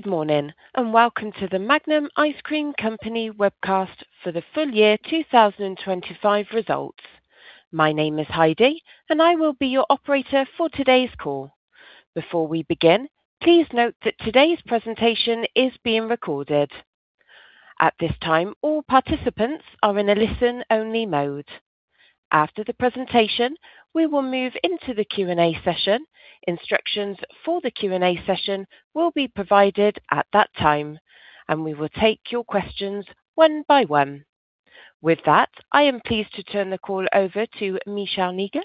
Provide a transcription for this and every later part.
Good morning, and welcome to The Magnum Ice Cream Company webcast for the full year 2025 results. My name is Heidi, and I will be your operator for today's call. Before we begin, please note that today's presentation is being recorded. At this time, all participants are in a listen-only mode. After the presentation, we will move into the Q&A session. Instructions for the Q&A session will be provided at that time, and we will take your questions one by one. With that, I am pleased to turn the call over to Michèle Negen.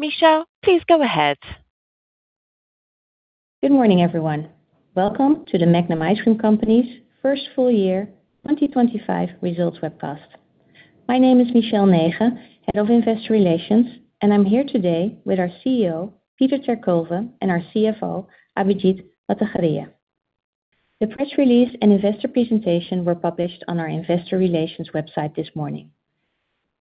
Michèle, please go ahead. Good morning, everyone. Welcome to The Magnum Ice Cream Company's first full year 2025 results webcast. My name is Michèle Negen, Head of Investor Relations, and I'm here today with our CEO, Peter ter Kulve, and our CFO, Abhijit Bhattacharya. The press release and investor presentation were published on our investor relations website this morning.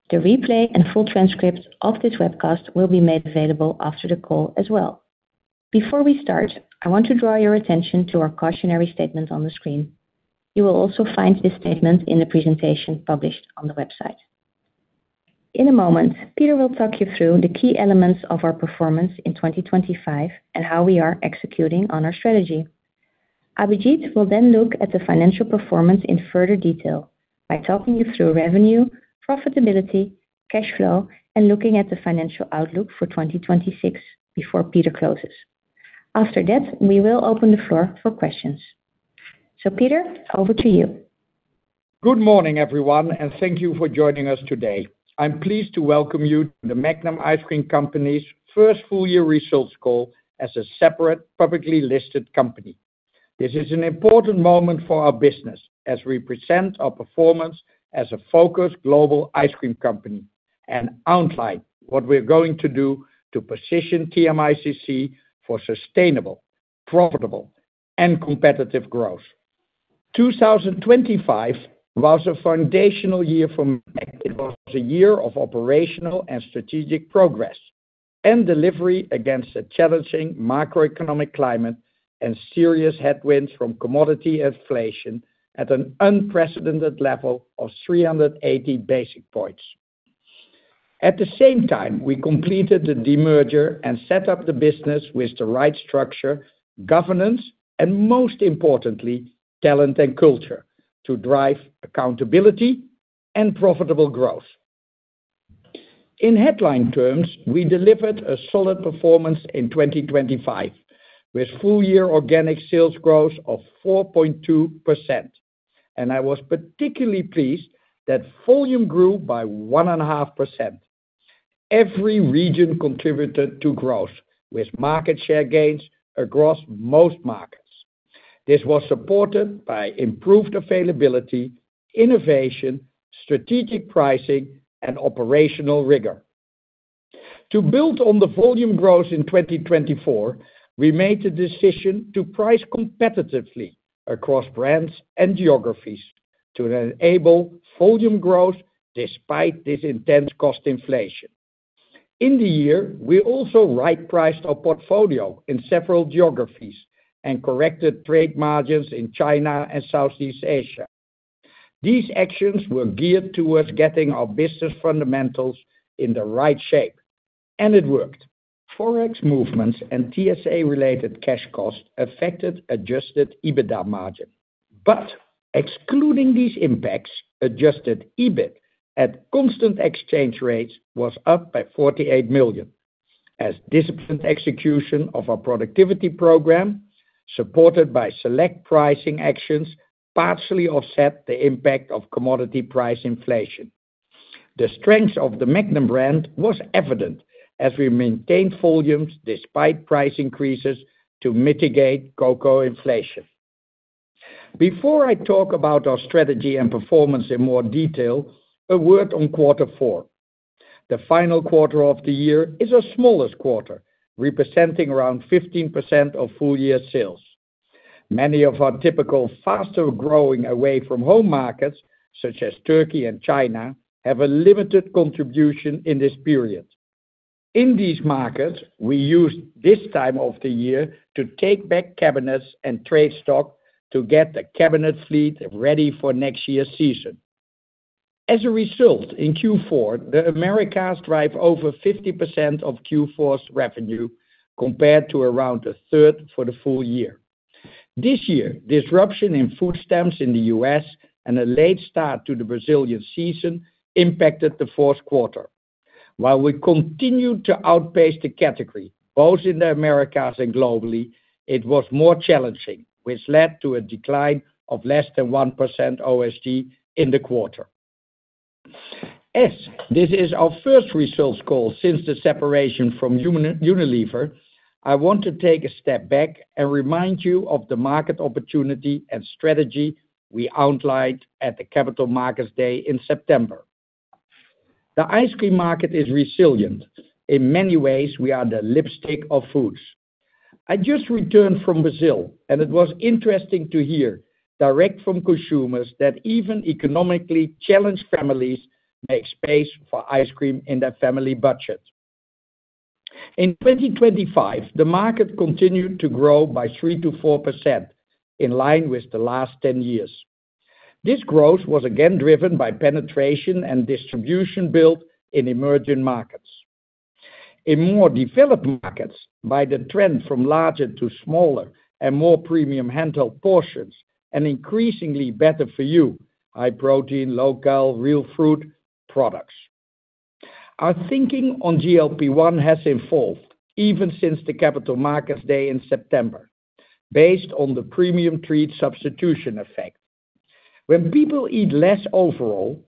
The replay and full transcript of this webcast will be made available after the call as well. Before we start, I want to draw your attention to our cautionary statement on the screen. You will also find this statement in the presentation published on the website. In a moment, Peter will talk you through the key elements of our performance in 2025 and how we are executing on our strategy. Abhijit will then look at the financial performance in further detail by talking you through revenue, profitability, cash flow, and looking at the financial outlook for 2026 before Peter closes. After that, we will open the floor for questions. So Peter, over to you. Good morning, everyone, and thank you for joining us today. I'm pleased to welcome you to the Magnum Ice Cream Company's first full year results call as a separate, publicly listed company. This is an important moment for our business as we present our performance as a focused global ice cream company and outline what we're going to do to position TMICC for sustainable, profitable, and competitive growth. 2025 was a foundational year for Magnum. It was a year of operational and strategic progress and delivery against a challenging macroeconomic climate and serious headwinds from commodity inflation at an unprecedented level of 380 basis points. At the same time, we completed the demerger and set up the business with the right structure, governance, and most importantly, talent and culture, to drive accountability and profitable growth. In headline terms, we delivered a solid performance in 2025, with full year organic sales growth of 4.2%, and I was particularly pleased that volume grew by 1.5%. Every region contributed to growth, with market share gains across most markets. This was supported by improved availability, innovation, strategic pricing, and operational rigor. To build on the volume growth in 2024, we made the decision to price competitively across brands and geographies to enable volume growth despite this intense cost inflation. In the year, we also right-priced our portfolio in several geographies and corrected trade margins in China and Southeast Asia. These actions were geared towards getting our business fundamentals in the right shape, and it worked. Forex movements and TSA-related cash costs affected adjusted EBITDA margin, but excluding these impacts, adjusted EBIT at constant exchange rates was up by 48 million. As disciplined execution of our productivity program, supported by select pricing actions, partially offset the impact of commodity price inflation. The strength of the Magnum brand was evident as we maintained volumes despite price increases to mitigate cocoa inflation. Before I talk about our strategy and performance in more detail, a word on quarter four. The final quarter of the year is our smallest quarter, representing around 15% of full year sales. Many of our typical faster-growing away-from-home markets, such as Turkey and China, have a limited contribution in this period. In these markets, we used this time of the year to take back cabinets and trade stock to get the cabinet fleet ready for next year's season. As a result, in Q4, the Americas drive over 50% of Q4's revenue, compared to around a third for the full year. This year, disruption in food stamps in the U.S. and a late start to the Brazilian season impacted the fourth quarter. While we continued to outpace the category, both in the Americas and globally, it was more challenging, which led to a decline of less than 1% OSG in the quarter. As this is our first results call since the separation from Unilever, I want to take a step back and remind you of the market opportunity and strategy we outlined at the Capital Markets Day in September. The ice cream market is resilient. In many ways, we are the lipstick of foods. I just returned from Brazil, and it was interesting to hear direct from consumers that even economically challenged families make space for ice cream in their family budget. In 2025, the market continued to grow by 3%-4%, in line with the last 10 years. This growth was again driven by penetration and distribution built in emerging markets. In more developed markets, by the trend from larger to smaller and more premium handheld portions, and increasingly better for you, high protein, low cal, real fruit products. Our thinking on GLP-1 has evolved even since the Capital Markets Day in September, based on the premium treat substitution effect. When people eat less overall,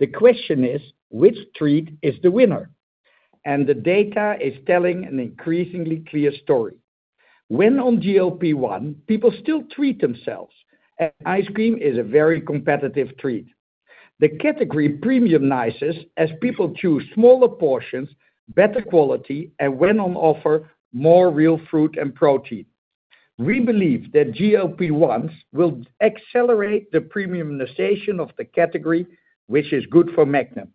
the question is, which treat is the winner? And the data is telling an increasingly clear story. When on GLP-1, people still treat themselves, and ice cream is a very competitive treat. The category premiumizes as people choose smaller portions, better quality, and when on offer, more real fruit and protein. We believe that GLP-1s will accelerate the premiumization of the category, which is good for Magnum.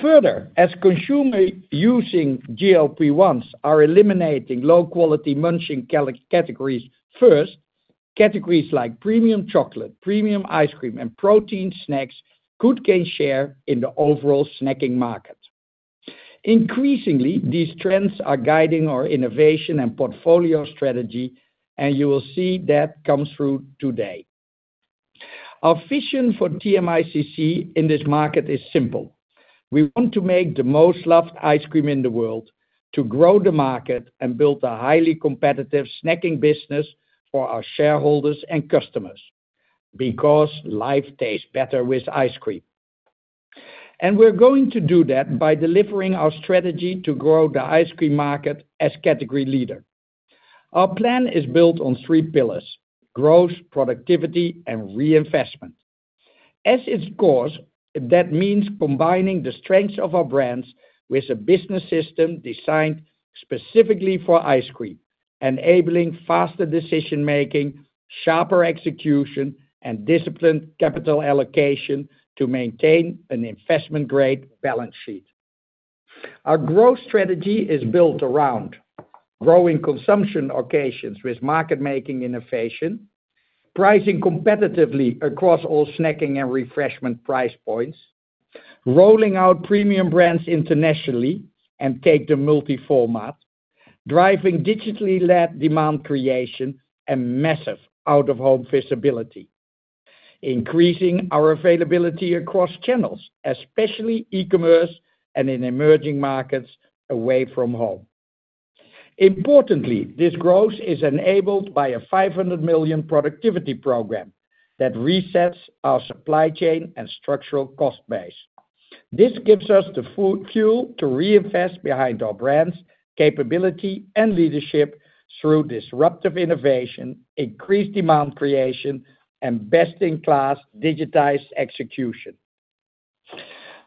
Further, as consumers using GLP-1s are eliminating low-quality munching calorie categories first, categories like premium chocolate, premium ice cream, and protein snacks could gain share in the overall snacking market. Increasingly, these trends are guiding our innovation and portfolio strategy, and you will see that come through today. Our vision for TMICC in this market is simple: We want to make the most loved ice cream in the world, to grow the market, and build a highly competitive snacking business for our shareholders and customers, because life tastes better with ice cream. And we're going to do that by delivering our strategy to grow the ice cream market as category leader. Our plan is built on three pillars: growth, productivity, and reinvestment. As its core, that means combining the strengths of our brands with a business system designed specifically for ice cream, enabling faster decision-making, sharper execution, and disciplined capital allocation to maintain an investment-grade balance sheet. Our growth strategy is built around growing consumption occasions with market-making innovation, pricing competitively across all snacking and refreshment price points, rolling out premium brands internationally, and take-home multi-format, driving digitally-led demand creation and massive out-of-home visibility, increasing our availability across channels, especially e-commerce and in emerging markets away from home. Importantly, this growth is enabled by a 500 million productivity program that resets our supply chain and structural cost base. This gives us the fuel to reinvest behind our brands, capability, and leadership through disruptive innovation, increased demand creation, and best-in-class digitized execution.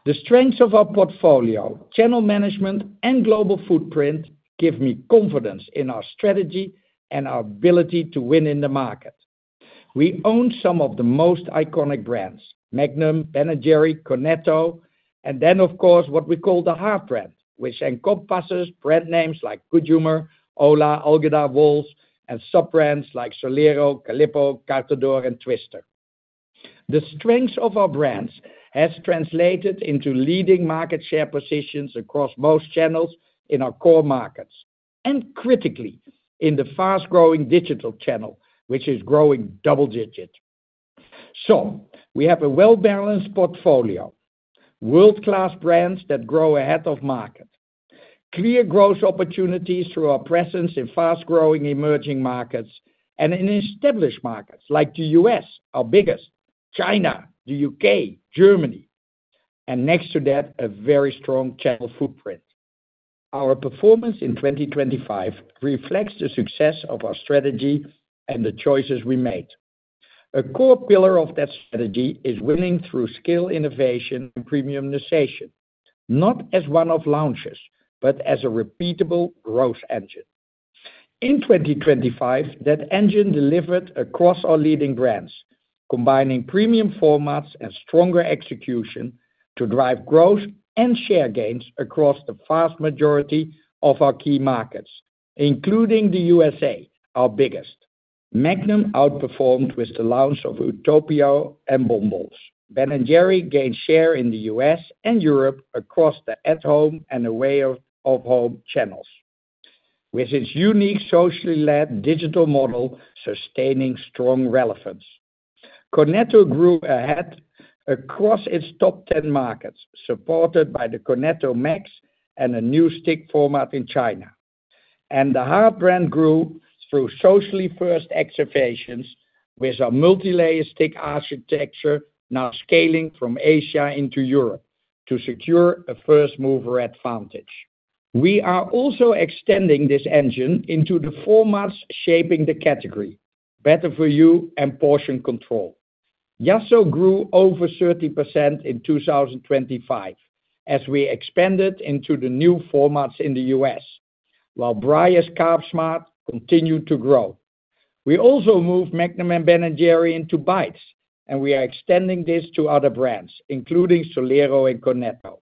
The strengths of our portfolio, channel management, and global footprint, give me confidence in our strategy and our ability to win in the market. We own some of the most iconic brands, Magnum, Ben & Jerry's, Cornetto, and then, of course, what we call the Heartbrand, which encompasses brand names like Good Humor, Ola, Algida, Wall's, and sub-brands like Solero, Calippo, Carte D'Or, and Twister. The strengths of our brands has translated into leading market share positions across most channels in our core markets, and critically, in the fast-growing digital channel, which is growing double digits. So we have a well-balanced portfolio, world-class brands that grow ahead of market, clear growth opportunities through our presence in fast-growing emerging markets, and in established markets like the U.S., our biggest, China, the U.K., Germany, and next to that, a very strong channel footprint. Our performance in 2025 reflects the success of our strategy and the choices we made. A core pillar of that strategy is winning through skill innovation and premiumization, not as one-off launches, but as a repeatable growth engine. In 2025, that engine delivered across our leading brands, combining premium formats and stronger execution to drive growth and share gains across the vast majority of our key markets, including the USA, our biggest. Magnum outperformed with the launch of Utopia and Bon Bons Ben & Jerry's gained share in the US and Europe across the at-home and away-from-home channels, with its unique, socially-led digital model sustaining strong relevance. Cornetto grew ahead across its top 10 markets, supported by the Cornetto Max and a new stick format in China. The Heartbrand grew through socially first activations, with our multilayer stick architecture now scaling from Asia into Europe to secure a first-mover advantage. We are also extending this engine into the formats shaping the category, better for you and portion control. Yasso grew over 30% in 2025 as we expanded into the new formats in the U.S., while Breyers CarbSmart continued to grow. We also moved Magnum and Ben & Jerry's into bites, and we are extending this to other brands, including Solero and Cornetto.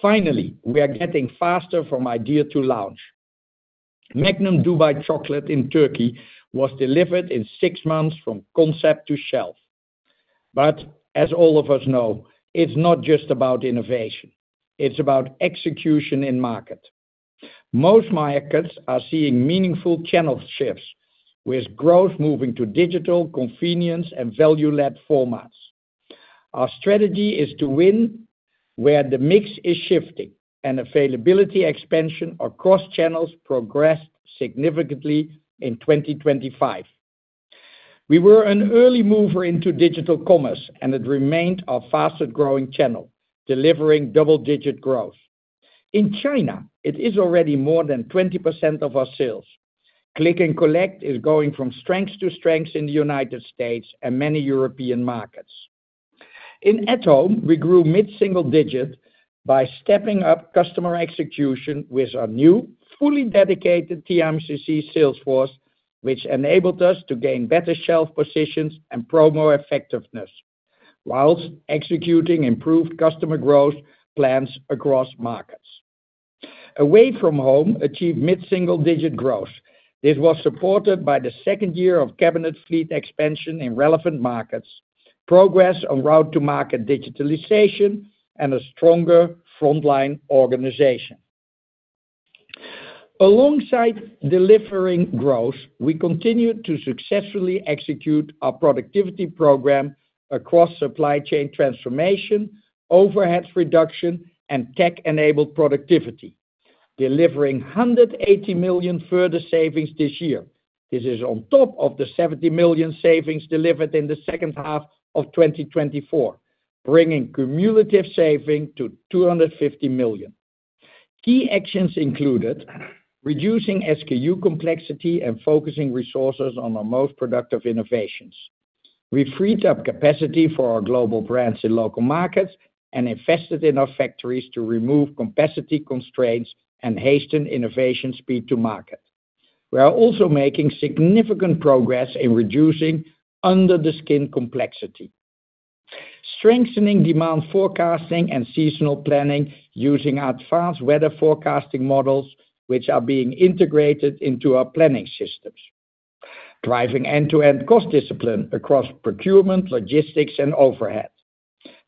Finally, we are getting faster from idea to launch. Magnum Dubai Chocolate in Turkey was delivered in six months from concept to shelf. But as all of us know, it's not just about innovation, it's about execution in market. Most markets are seeing meaningful channel shifts, with growth moving to digital, convenience, and value-led formats. Our strategy is to win where the mix is shifting, and availability expansion across channels progressed significantly in 2025. We were an early mover into digital commerce, and it remained our fastest-growing channel, delivering double-digit growth. In China, it is already more than 20% of our sales. Click & Collect is going from strength to strength in the United States and many European markets. In at-home, we grew mid-single-digit by stepping up customer execution with our new, fully dedicated TMICC sales force, which enabled us to gain better shelf positions and promo effectiveness, while executing improved customer growth plans across markets. Away from home achieved mid-single-digit growth. This was supported by the second year of cabinet fleet expansion in relevant markets, progress on route to market digitalization, and a stronger frontline organization. Alongside delivering growth, we continued to successfully execute our productivity program across supply chain transformation, overhead reduction, and tech-enabled productivity, delivering 180 million further savings this year. This is on top of the 70 million savings delivered in the second half of 2024, bringing cumulative saving to 250 million. Key actions included reducing SKU complexity and focusing resources on our most productive innovations. We freed up capacity for our global brands in local markets and invested in our factories to remove capacity constraints and hasten innovation speed to market. We are also making significant progress in reducing under-the-skin complexity, strengthening demand forecasting and seasonal planning using advanced weather forecasting models, which are being integrated into our planning systems, driving end-to-end cost discipline across procurement, logistics, and overhead.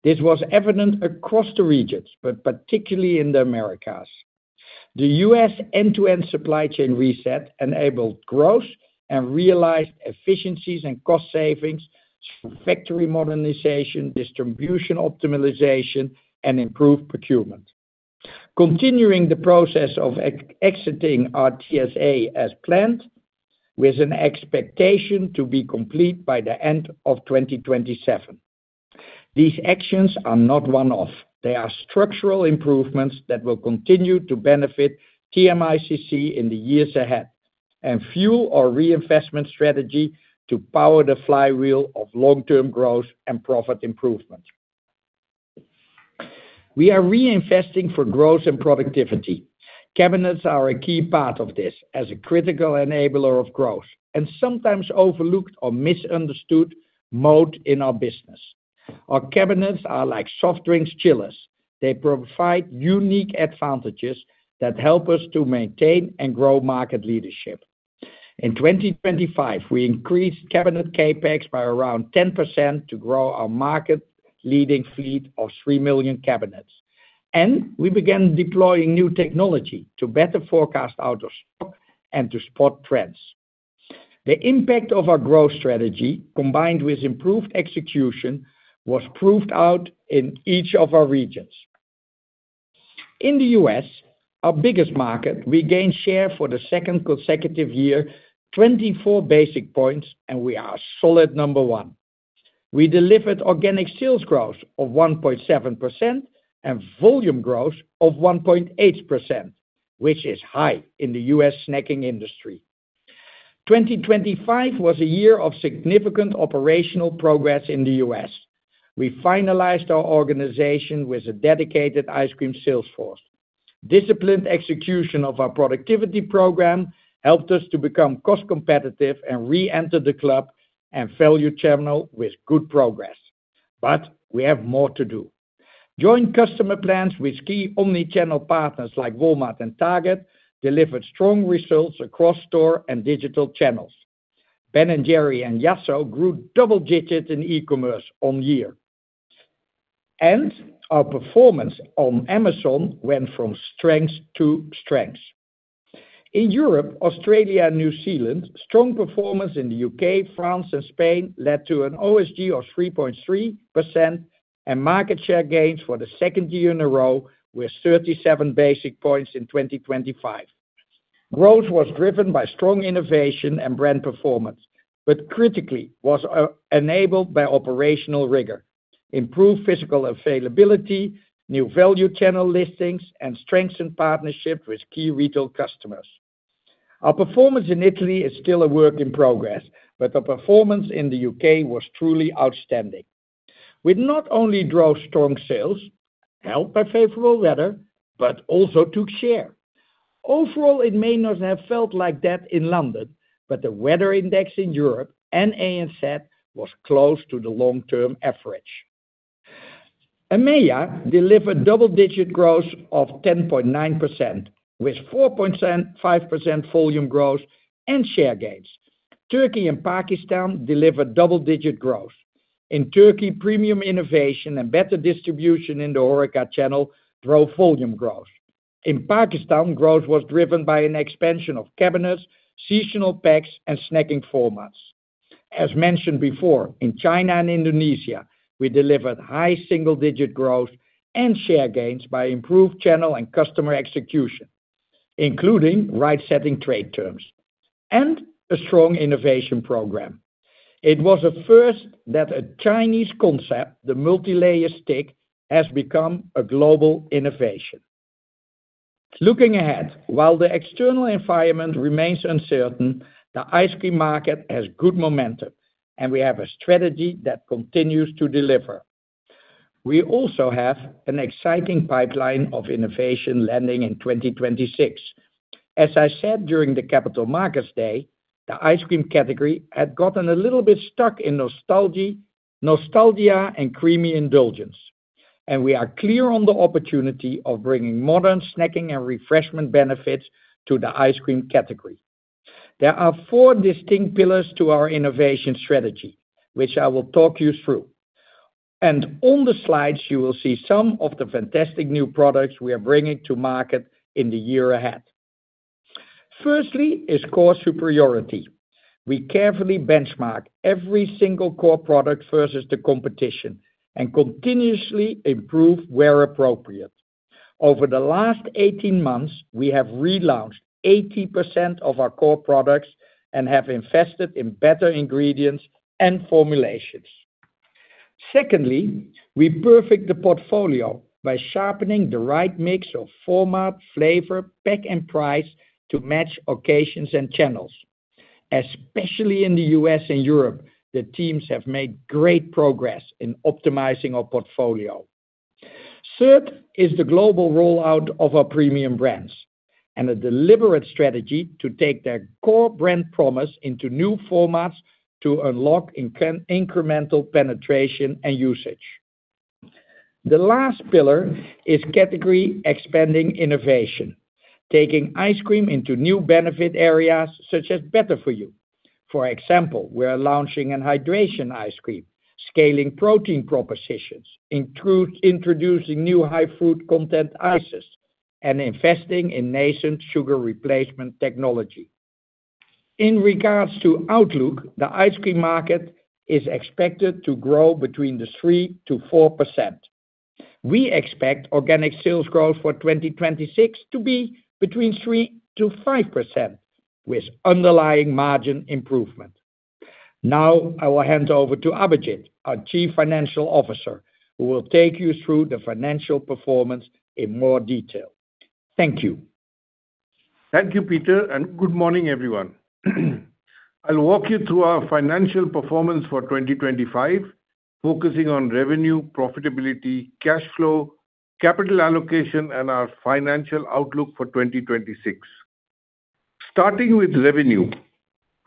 This was evident across the regions, but particularly in the Americas. The U.S. end-to-end supply chain reset enabled growth and realized efficiencies and cost savings through factory modernization, distribution optimization, and improved procurement. Continuing the process of exiting our TSA as planned, with an expectation to be complete by the end of 2027. These actions are not one-off. They are structural improvements that will continue to benefit TMICC in the years ahead and fuel our reinvestment strategy to power the flywheel of long-term growth and profit improvement. We are reinvesting for growth and productivity. Cabinets are a key part of this, as a critical enabler of growth, and sometimes overlooked or misunderstood moat in our business. Our cabinets are like soft drinks chillers. They provide unique advantages that help us to maintain and grow market leadership. In 2025, we increased cabinet CapEx by around 10% to grow our market-leading fleet of 3 million cabinets, and we began deploying new technology to better forecast out of stock and to spot trends. The impact of our growth strategy, combined with improved execution, was proved out in each of our regions. In the U.S., our biggest market, we gained share for the second consecutive year, 24 basis points, and we are a solid number one. We delivered organic sales growth of 1.7% and volume growth of 1.8%, which is high in the U.S. snacking industry. 2025 was a year of significant operational progress in the U.S. We finalized our organization with a dedicated ice cream sales force. Disciplined execution of our productivity program helped us to become cost competitive and reenter the club and value channel with good progress, but we have more to do. Joint customer plans with key omnichannel partners like Walmart and Target delivered strong results across store and digital channels. Ben & Jerry's and Yasso grew double digits in e-commerce on year, and our performance on Amazon went from strength to strength. In Europe, Australia, and New Zealand, strong performance in the UK, France, and Spain led to an OSG of 3.3%, and market share gains for the second year in a row, with 37 basis points in 2025. Growth was driven by strong innovation and brand performance, but critically was enabled by operational rigor, improved physical availability, new value channel listings, and strengthened partnership with key retail customers. Our performance in Italy is still a work in progress, but the performance in the UK was truly outstanding... We not only drove strong sales, helped by favorable weather, but also took share. Overall, it may not have felt like that in London, but the weather index in Europe and ANZ was close to the long-term average. EMEA delivered double-digit growth of 10.9%, with 4%, 5% volume growth and share gains. Turkey and Pakistan delivered double-digit growth. In Turkey, premium innovation and better distribution in the HoReCa channel drove volume growth. In Pakistan, growth was driven by an expansion of cabinets, seasonal packs, and snacking formats. As mentioned before, in China and Indonesia, we delivered high single-digit growth and share gains by improved channel and customer execution, including right-setting trade terms and a strong innovation program. It was a first that a Chinese concept, the multilayer stick, has become a global innovation. Looking ahead, while the external environment remains uncertain, the ice cream market has good momentum, and we have a strategy that continues to deliver. We also have an exciting pipeline of innovation landing in 2026. As I said during the Capital Markets Day, the ice cream category had gotten a little bit stuck in nostalgia and creamy indulgence, and we are clear on the opportunity of bringing modern snacking and refreshment benefits to the ice cream category. There are four distinct pillars to our innovation strategy, which I will talk you through, and on the slides, you will see some of the fantastic new products we are bringing to market in the year ahead. Firstly is core superiority. We carefully benchmark every single core product versus the competition and continuously improve where appropriate. Over the last 18 months, we have relaunched 80% of our core products and have invested in better ingredients and formulations. Secondly, we perfect the portfolio by sharpening the right mix of format, flavor, pack, and price to match occasions and channels. Especially in the U.S. and Europe, the teams have made great progress in optimizing our portfolio. Third is the global rollout of our premium brands and a deliberate strategy to take their core brand promise into new formats to unlock incremental penetration and usage. The last pillar is category expanding innovation, taking ice cream into new benefit areas, such as better for you. For example, we are launching a hydration ice cream, scaling protein propositions, introducing new high fruit content ices, and investing in nascent sugar replacement technology. In regards to outlook, the ice cream market is expected to grow between 3%-4%. We expect organic sales growth for 2026 to be between 3%-5%, with underlying margin improvement. Now I will hand over to Abhijit, our Chief Financial Officer, who will take you through the financial performance in more detail. Thank you. Thank you, Peter, and good morning, everyone. I'll walk you through our financial performance for 2025, focusing on revenue, profitability, cash flow, capital allocation, and our financial outlook for 2026. Starting with revenue,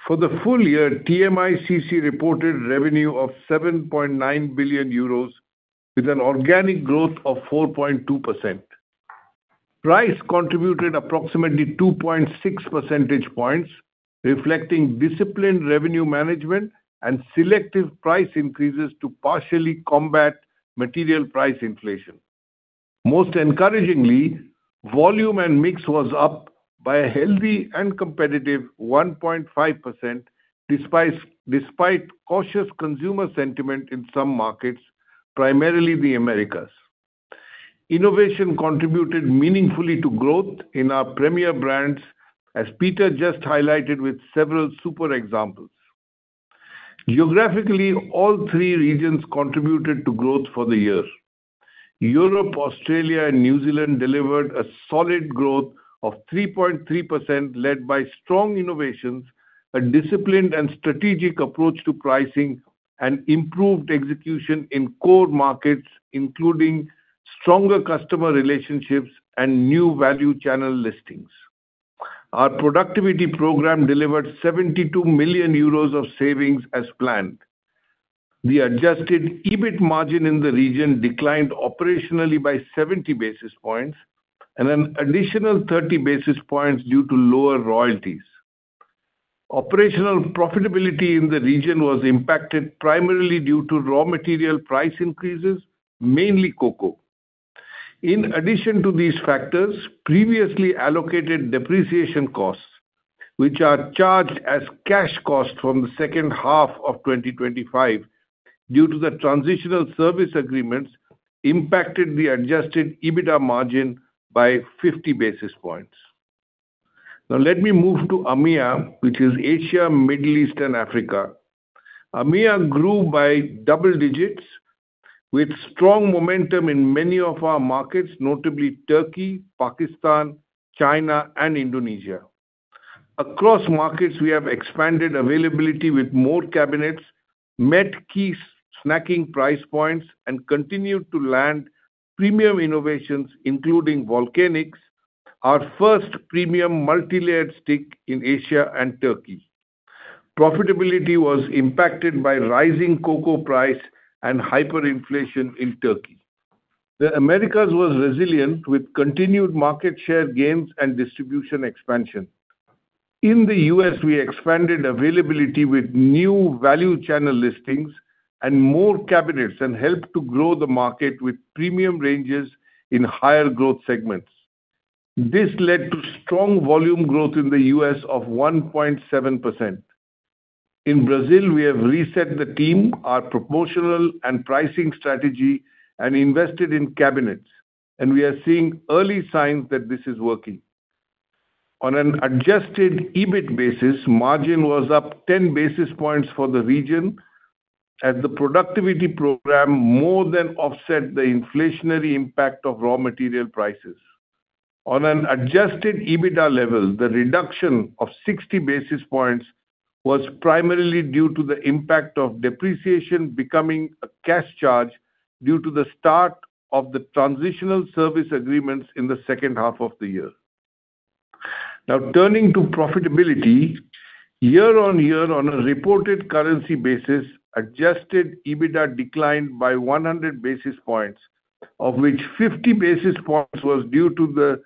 for the full year, TMICC reported revenue of 7.9 billion euros, with an organic growth of 4.2%. Price contributed approximately 2.6 percentage points, reflecting disciplined revenue management and selective price increases to partially combat material price inflation. Most encouragingly, volume and mix was up by a healthy and competitive 1.5%, despite cautious consumer sentiment in some markets, primarily the Americas. Innovation contributed meaningfully to growth in our premier brands, as Peter just highlighted with several super examples. Geographically, all three regions contributed to growth for the year. Europe, Australia, and New Zealand delivered a solid growth of 3.3%, led by strong innovations, a disciplined and strategic approach to pricing, and improved execution in core markets, including stronger customer relationships and new value channel listings. Our productivity program delivered 72 million euros of savings as planned. The adjusted EBIT margin in the region declined operationally by 70 basis points and an additional 30 basis points due to lower royalties. Operational profitability in the region was impacted primarily due to raw material price increases, mainly cocoa. In addition to these factors, previously allocated depreciation costs, which are charged as cash costs from the second half of 2025 due to the transitional service agreements, impacted the adjusted EBITA margin by 50 basis points. Now, let me move to EMEA, which is Asia, Middle East, and Africa. EMEA grew by double digits with strong momentum in many of our markets, notably Turkey, Pakistan, China, and Indonesia. Across markets, we have expanded availability with more cabinets, met key snacking price points, and continued to land premium innovations, including Volcanics, our first premium multilayered stick in Asia and Turkey. Profitability was impacted by rising cocoa price and hyperinflation in Turkey. The Americas was resilient, with continued market share gains and distribution expansion. In the US, we expanded availability with new value channel listings and more cabinets, and helped to grow the market with premium ranges in higher growth segments. This led to strong volume growth in the US of 1.7%. In Brazil, we have reset the team, our promotional and pricing strategy, and invested in cabinets, and we are seeing early signs that this is working. On an adjusted EBIT basis, margin was up 10 basis points for the region, as the productivity program more than offset the inflationary impact of raw material prices. On an adjusted EBITDA level, the reduction of 60 basis points was primarily due to the impact of depreciation becoming a cash charge due to the start of the transitional service agreements in the second half of the year. Now, turning to profitability, year-on-year on a reported currency basis, adjusted EBITDA declined by 100 basis points, of which 50 basis points was due to the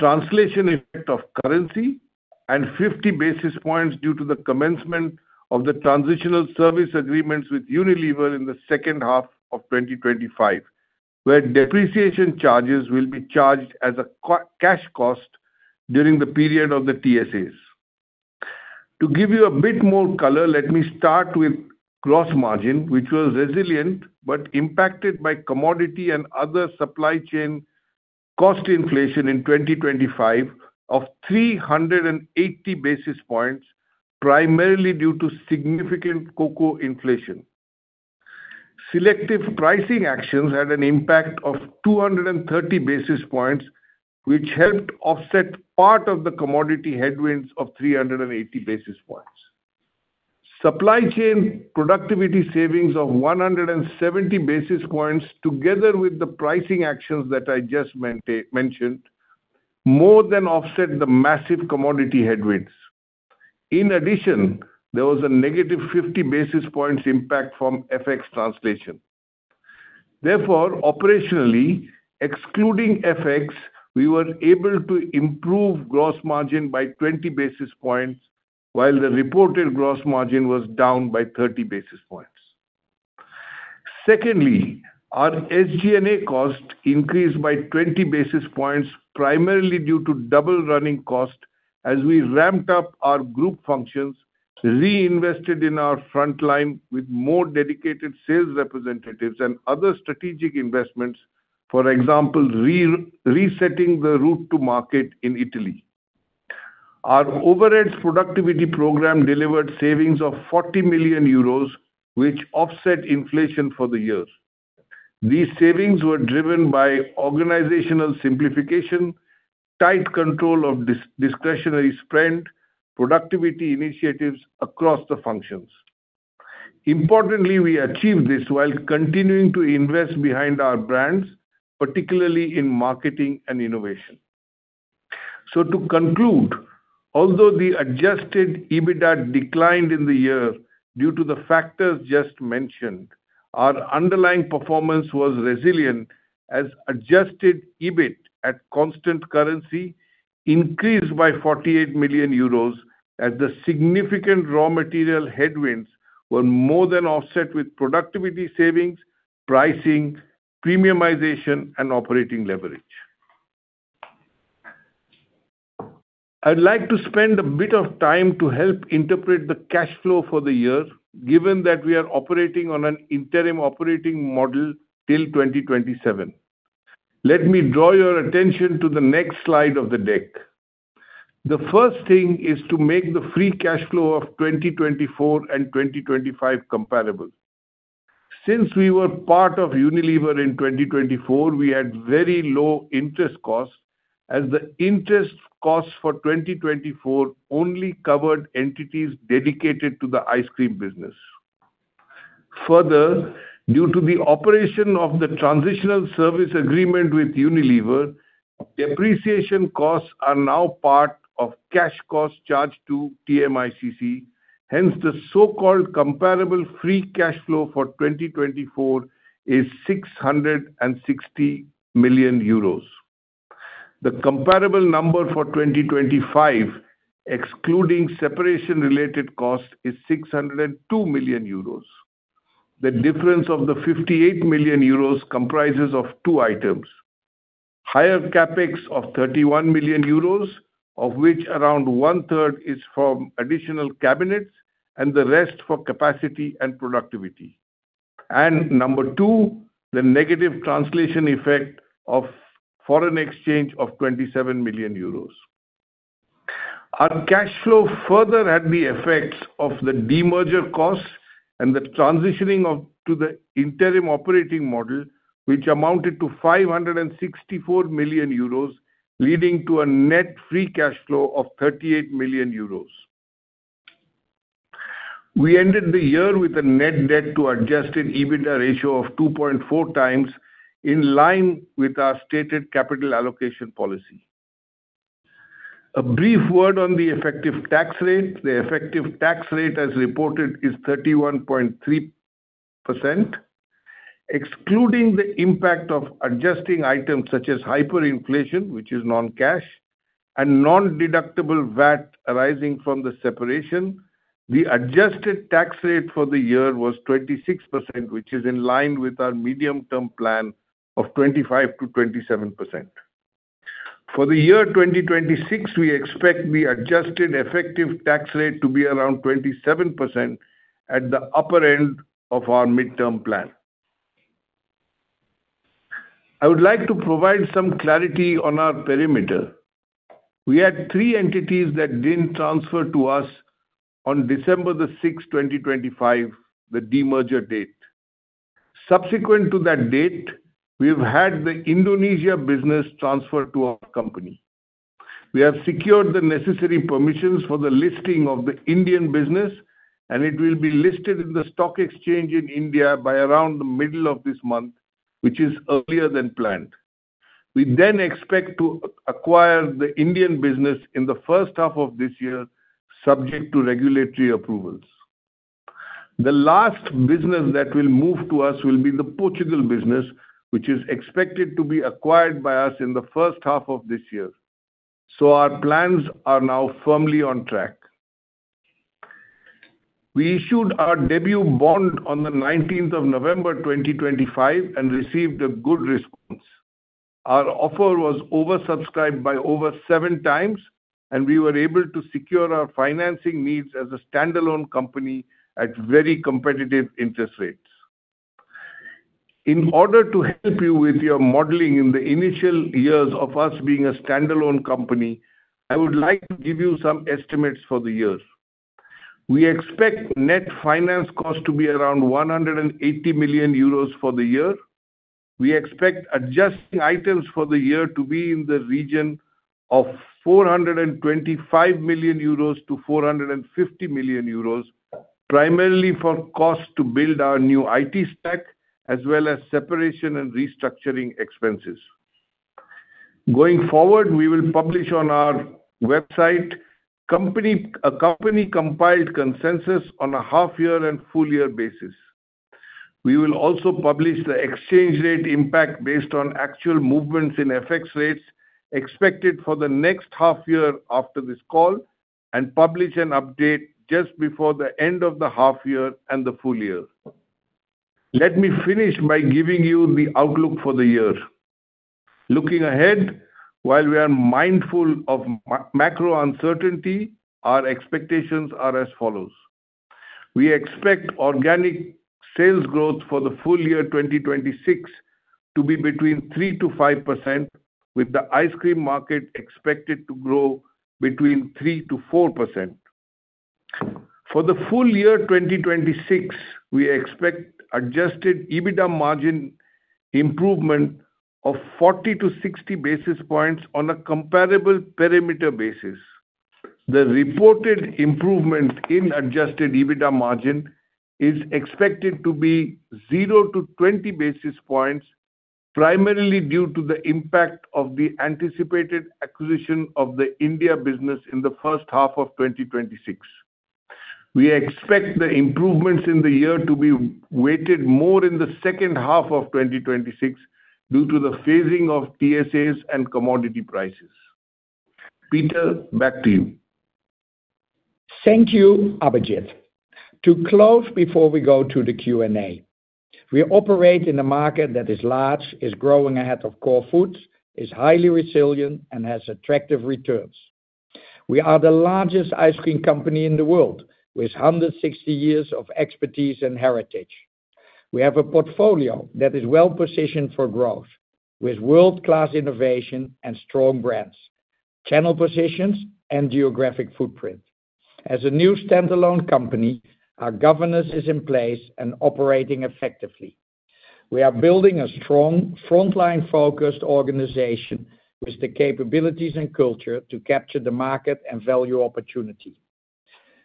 translation effect of currency and 50 basis points due to the commencement of the transitional service agreements with Unilever in the second half of 2025, where depreciation charges will be charged as a cash cost during the period of the TSAs. To give you a bit more color, let me start with gross margin, which was resilient but impacted by commodity and other supply chain cost inflation in 2025 of 380 basis points, primarily due to significant cocoa inflation. Selective pricing actions had an impact of 230 basis points, which helped offset part of the commodity headwinds of 380 basis points. Supply chain productivity savings of 170 basis points, together with the pricing actions that I just mentioned, more than offset the massive commodity headwinds. In addition, there was a negative 50 basis points impact from FX translation. Therefore, operationally, excluding FX, we were able to improve gross margin by 20 basis points, while the reported gross margin was down by 30 basis points. Secondly, our SG&A cost increased by 20 basis points, primarily due to double running cost as we ramped up our group functions, reinvested in our frontline with more dedicated sales representatives and other strategic investments, for example, resetting the route to market in Italy. Our overheads productivity program delivered savings of 40 million euros, which offset inflation for the year. These savings were driven by organizational simplification, tight control of discretionary spend, productivity initiatives across the functions. Importantly, we achieved this while continuing to invest behind our brands, particularly in marketing and innovation. So to conclude, although the adjusted EBITDA declined in the year due to the factors just mentioned, our underlying performance was resilient, as adjusted EBIT at constant currency increased by 48 million euros, as the significant raw material headwinds were more than offset with productivity savings, pricing, premiumization, and operating leverage. I'd like to spend a bit of time to help interpret the cash flow for the year, given that we are operating on an interim operating model till 2027. Let me draw your attention to the next slide of the deck. The first thing is to make the free cash flow of 2024 and 2025 comparable. Since we were part of Unilever in 2024, we had very low interest costs, as the interest costs for 2024 only covered entities dedicated to the ice cream business. Further, due to the operation of the transitional service agreement with Unilever, depreciation costs are now part of cash costs charged to TMICC. Hence, the so-called comparable free cash flow for 2024 is 660 million euros. The comparable number for 2025, excluding separation-related costs, is 602 million euros. The difference of 58 million euros comprises of two items: higher CapEx of 31 million euros, of which around one third is from additional cabinets and the rest for capacity and productivity. And number two, the negative translation effect of foreign exchange of 27 million euros. Our cash flow further had the effects of the demerger costs and the transitioning to the interim operating model, which amounted to 564 million euros, leading to a net free cash flow of 38 million euros. We ended the year with a net debt to adjusted EBITDA ratio of 2.4 times, in line with our stated capital allocation policy. A brief word on the effective tax rate. The effective tax rate, as reported, is 31.3%. Excluding the impact of adjusting items such as hyperinflation, which is non-cash, and non-deductible VAT arising from the separation, the adjusted tax rate for the year was 26%, which is in line with our medium-term plan of 25%-27%. For the year 2026, we expect the adjusted effective tax rate to be around 27% at the upper end of our midterm plan. I would like to provide some clarity on our perimeter. We had three entities that didn't transfer to us on December the 6th, 2025, the demerger date. Subsequent to that date, we've had the Indonesia business transferred to our company. We have secured the necessary permissions for the listing of the Indian business, and it will be listed in the stock exchange in India by around the middle of this month, which is earlier than planned. We then expect to acquire the Indian business in the first half of this year, subject to regulatory approvals. The last business that will move to us will be the Portugal business, which is expected to be acquired by us in the first half of this year. So our plans are now firmly on track. We issued our debut bond on November 19, 2025, and received a good response. Our offer was oversubscribed by over 7 times, and we were able to secure our financing needs as a standalone company at very competitive interest rates. In order to help you with your modeling in the initial years of us being a standalone company, I would like to give you some estimates for the years. We expect net finance cost to be around 180 million euros for the year. We expect adjusting items for the year to be in the region of 425 million-450 million euros, primarily for cost to build our new IT stack, as well as separation and restructuring expenses. Going forward, we will publish on our website company, a company-compiled consensus on a half-year and full-year basis. We will also publish the exchange rate impact based on actual movements in FX rates expected for the next half year after this call and publish an update just before the end of the half year and the full year. Let me finish by giving you the outlook for the year. Looking ahead, while we are mindful of macro uncertainty, our expectations are as follows: We expect organic sales growth for the full year 2026 to be between 3%-5%, with the ice cream market expected to grow between 3%-4%. For the full year 2026, we expect adjusted EBITDA margin improvement of 40-60 basis points on a comparable perimeter basis. The reported improvement in adjusted EBITDA margin is expected to be 0-20 basis points, primarily due to the impact of the anticipated acquisition of the India business in the first half of 2026. We expect the improvements in the year to be weighted more in the second half of 2026 due to the phasing of TSAs and commodity prices. Peter, back to you. Thank you, Abhijit. To close, before we go to the Q&A, we operate in a market that is large, is growing ahead of core foods, is highly resilient, and has attractive returns. We are the largest ice cream company in the world, with 160 years of expertise and heritage. We have a portfolio that is well-positioned for growth, with world-class innovation and strong brands, channel positions, and geographic footprint. As a new standalone company, our governance is in place and operating effectively. We are building a strong, frontline-focused organization with the capabilities and culture to capture the market and value opportunity.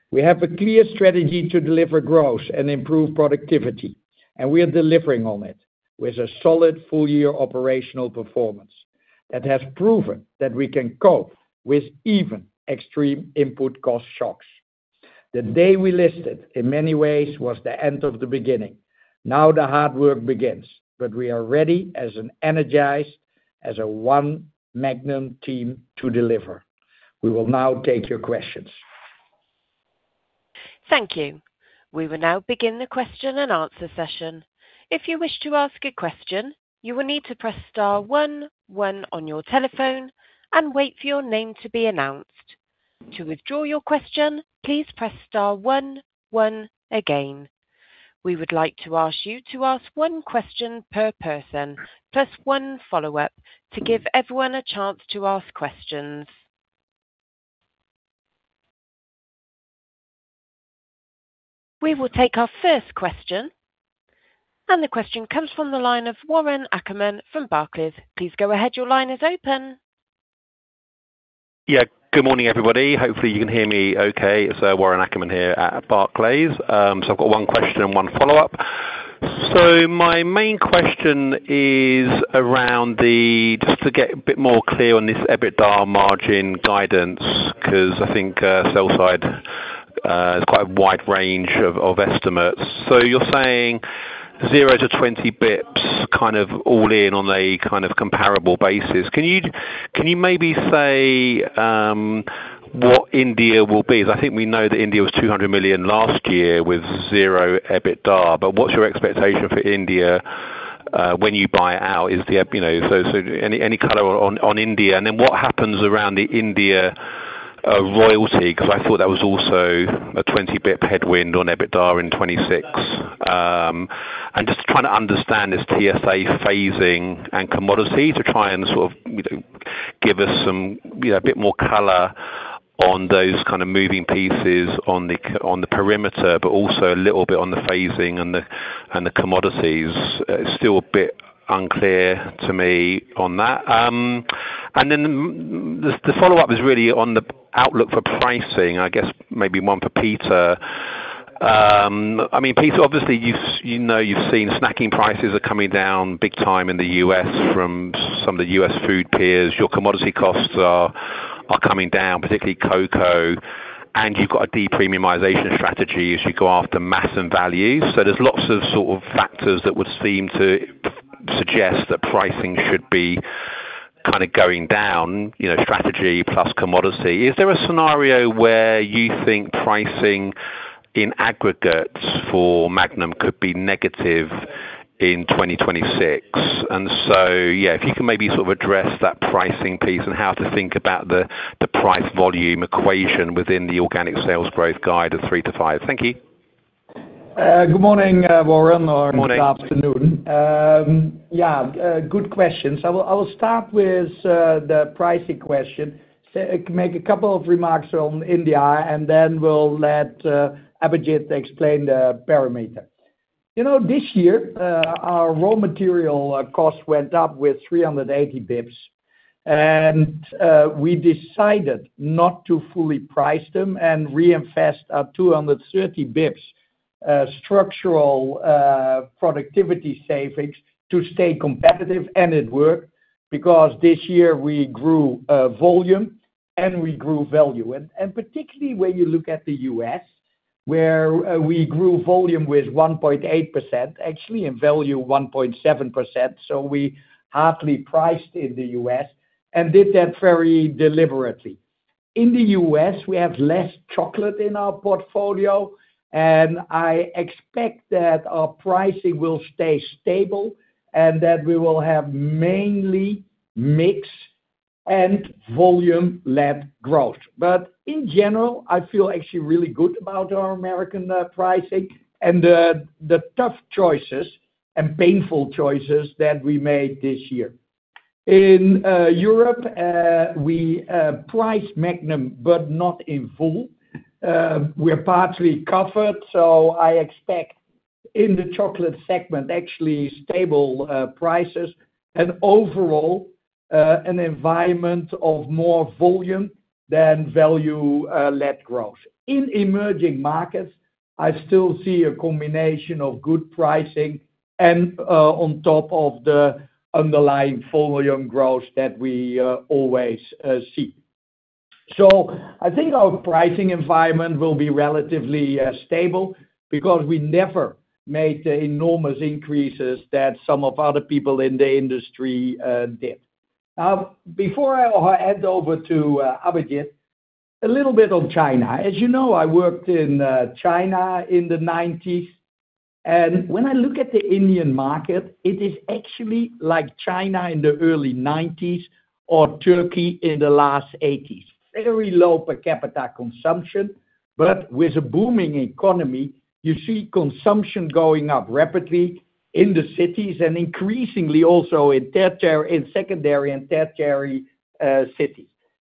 We have a clear strategy to deliver growth and improve productivity, and we are delivering on it with a solid full-year operational performance that has proven that we can cope with even extreme input cost shocks. The day we listed, in many ways, was the end of the beginning. Now, the hard work begins, but we are ready as an energized one Magnum team to deliver. We will now take your questions. Thank you. We will now begin the question-and-answer session. If you wish to ask a question, you will need to press star one one on your telephone and wait for your name to be announced. To withdraw your question, please press star one one again. We would like to ask you to ask one question per person, plus one follow-up, to give everyone a chance to ask questions. We will take our first question, and the question comes from the line of Warren Ackerman from Barclays. Please go ahead. Your line is open. Yeah. Good morning, everybody. Hopefully, you can hear me okay. It's Warren Ackerman here at Barclays. So I've got one question and one follow-up. So my main question is around the just to get a bit more clear on this EBITDA margin guidance, 'cause I think sell side is quite a wide range of estimates. So you're saying 0-20 basis points, kind of all in on a kind of comparable basis. Can you maybe say what India will be? I think we know that India was 200 million last year with 0 EBITDA, but what's your expectation for India when you buy it out? Is the you know so any color on India, and then what happens around the India royalty? 'Cause I thought that was also a 20 basis point headwind on EBITDA in 2026. And just trying to understand this TSA phasing and commodity to try and sort of, you know, give us some, you know, a bit more color on those kind of moving pieces on the on the perimeter, but also a little bit on the phasing and the, and the commodities. It's still a bit unclear to me on that. And then the follow-up is really on the outlook for pricing. I guess maybe one for Peter. I mean, Peter, obviously, you've, you know, you've seen snacking prices are coming down big time in the U.S. from some of the U.S. food peers. Your commodity costs are coming down, particularly cocoa, and you've got a de-premiumization strategy as you go after mass and value. So there's lots of sort of factors that would seem to suggest that pricing should be kind of going down, you know, strategy plus commodity. Is there a scenario where you think pricing in aggregate for Magnum could be negative in 2026? And so, yeah, if you can maybe sort of address that pricing piece and how to think about the, the price volume equation within the organic sales growth guide of 3-5. Thank you. Good morning, Warren. Good morning. Good afternoon. Yeah, good questions. I will, I will start with the pricing question, make a couple of remarks on India, and then we'll let Abhijit explain the parameter. You know, this year, our raw material costs went up with 380 Bips, and we decided not to fully price them and reinvest our 230 Bips structural productivity savings to stay competitive, and it worked, because this year we grew volume and we grew value. And particularly when you look at the U.S., where we grew volume with 1.8%, actually, in value, 1.7%, so we hardly priced in the U.S. and did that very deliberately. In the U.S., we have less chocolate in our portfolio, and I expect that our pricing will stay stable and that we will have mainly mix and volume-led growth. But in general, I feel actually really good about our American pricing and the tough choices and painful choices that we made this year. In Europe, we priced Magnum, but not in full. We are partly covered, so I expect in the chocolate segment actually stable prices and overall an environment of more volume than value-led growth. In emerging markets, I still see a combination of good pricing and on top of the underlying full volume growth that we always see. So I think our pricing environment will be relatively stable because we never made the enormous increases that some of other people in the industry did. Now, before I hand over to Abhijit, a little bit on China. As you know, I worked in China in the nineties, and when I look at the Indian market, it is actually like China in the early nineties or Turkey in the late eighties. Very low per capita consumption, but with a booming economy, you see consumption going up rapidly in the cities and increasingly also in secondary and tertiary cities.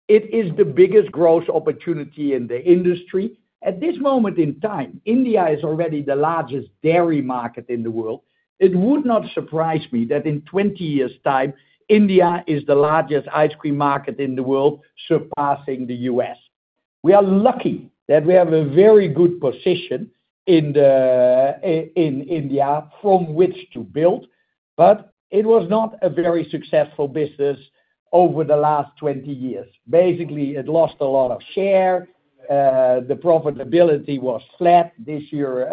It is the biggest growth opportunity in the industry. At this moment in time, India is already the largest dairy market in the world. It would not surprise me that in twenty years' time, India is the largest ice cream market in the world, surpassing the US. We are lucky that we have a very good position in India from which to build, but it was not a very successful business over the last 20 years. Basically, it lost a lot of share. The profitability was flat this year.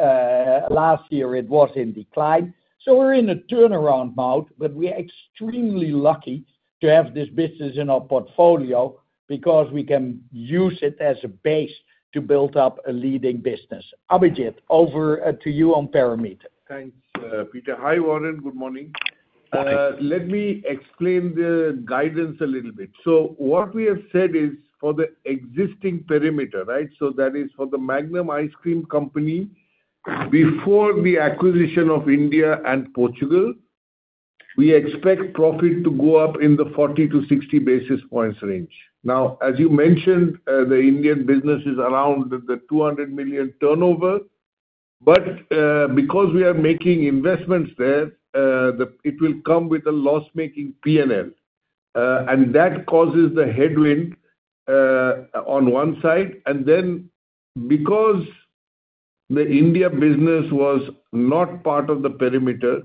Last year, it was in decline. So we're in a turnaround mode, but we are extremely lucky to have this business in our portfolio because we can use it as a base to build up a leading business. Abhijit, over to you on parameter. Thanks, Peter. Hi, Warren. Good morning. Morning. Let me explain the guidance a little bit. So what we have said is for the existing perimeter, right? So that is for The Magnum Ice Cream Company before the acquisition of India and Portugal. We expect profit to go up in the 40-60 basis points range. Now, as you mentioned, the Indian business is around the 200 million turnover. But, because we are making investments there, it will come with a loss-making P&L. That causes the headwind, on one side, and then because the India business was not part of the perimeter,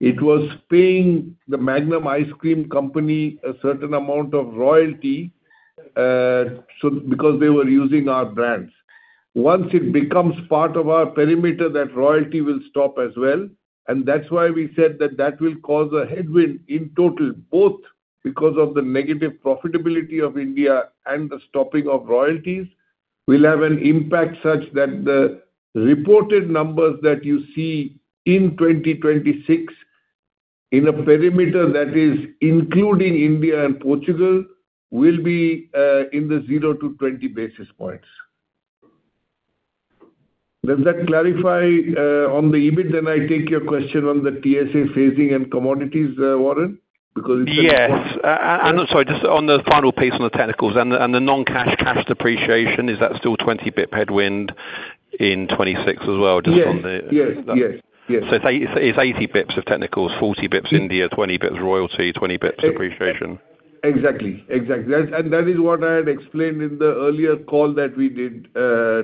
it was paying The Magnum Ice Cream Company a certain amount of royalty, so because they were using our brands. Once it becomes part of our perimeter, that royalty will stop as well, and that's why we said that that will cause a headwind in total, both because of the negative profitability of India and the stopping of royalties, will have an impact such that the reported numbers that you see in 2026, in a perimeter that is including India and Portugal, will be in the 0-20 basis points. Does that clarify on the EBIT? Then I take your question on the TSA phasing and commodities, Warren, because it's- Yes. And I'm sorry, just on the final piece on the technicals and the non-cash, cash depreciation, is that still 20 bip headwind in 2026 as well, just on the- Yes. Yes, yes. Yes. It's 80 bps of technicals, 40 bps India, 20 bps royalty, 20 bps depreciation. Exactly. Exactly. That's... And that is what I had explained in the earlier call that we did,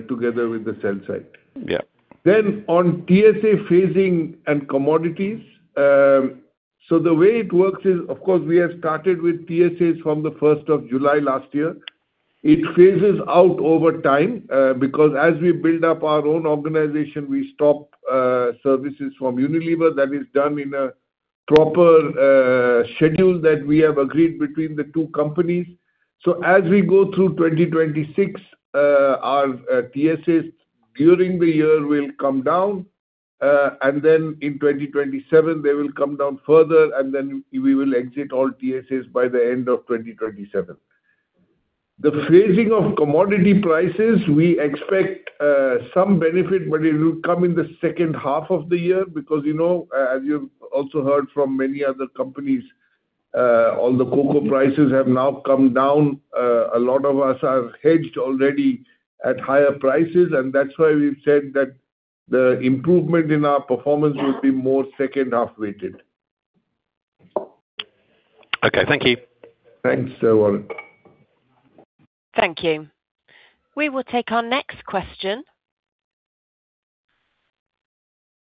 together with the sell-side. Yeah. Then on TSA phasing and commodities, so the way it works is, of course, we have started with TSAs from the first of July last year. It phases out over time, because as we build up our own organization, we stop services from Unilever. That is done in a proper schedule that we have agreed between the two companies. So as we go through 2026, our TSAs during the year will come down, and then in 2027, they will come down further, and then we will exit all TSAs by the end of 2027. The phasing of commodity prices, we expect some benefit, but it will come in the second half of the year, because, you know, as you've also heard from many other companies, all the cocoa prices have now come down. A lot of us have hedged already at higher prices, and that's why we've said that the improvement in our performance will be more second half weighted. Okay, thank you. Thanks, Warren. Thank you. We will take our next question.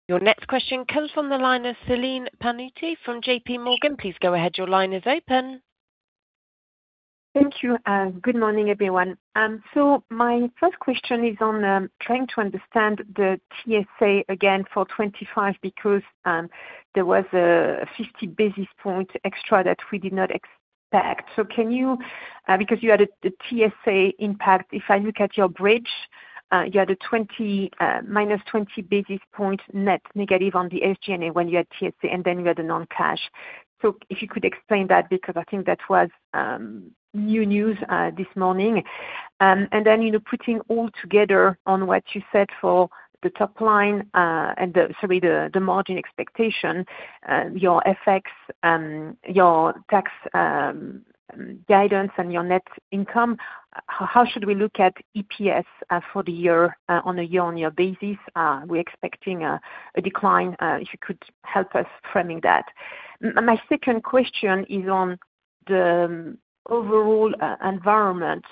Your next question comes from the line of Celine Pannuti from JP Morgan. Please go ahead. Your line is open. Thank you, good morning, everyone. So my first question is on trying to understand the TSA again for 25, because there was a 50 basis point extra that we did not expect. So can you, because you had a, the TSA impact, if I look at your bridge, you had a 20, minus 20 basis point net negative on the SG&A when you had TSA, and then you had a non-cash. So if you could explain that, because I think that was new news this morning. And then, you know, putting all together on what you said for the top line, and the, sorry, the, the margin expectation, your FX, your tax, guidance and your net income, how should we look at EPS for the year on a year-on-year basis? We're expecting a decline, if you could help us framing that. My second question is on the overall environment.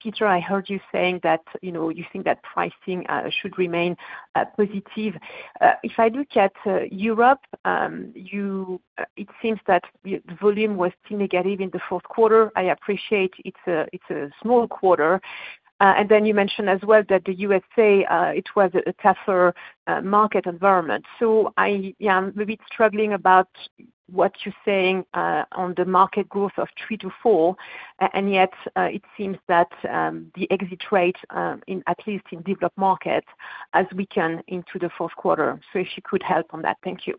Peter, I heard you saying that, you know, you think that pricing should remain positive. If I look at Europe, you... It seems that volume was still negative in the fourth quarter. I appreciate it's a, it's a small quarter. And then you mentioned as well that the USA, it was a tougher market environment. So I, yeah, I'm maybe struggling about what you're saying on the market growth of 3-4, and yet it seems that the exit rate in at least in developed markets has weakened into the fourth quarter. So if you could help on that. Thank you.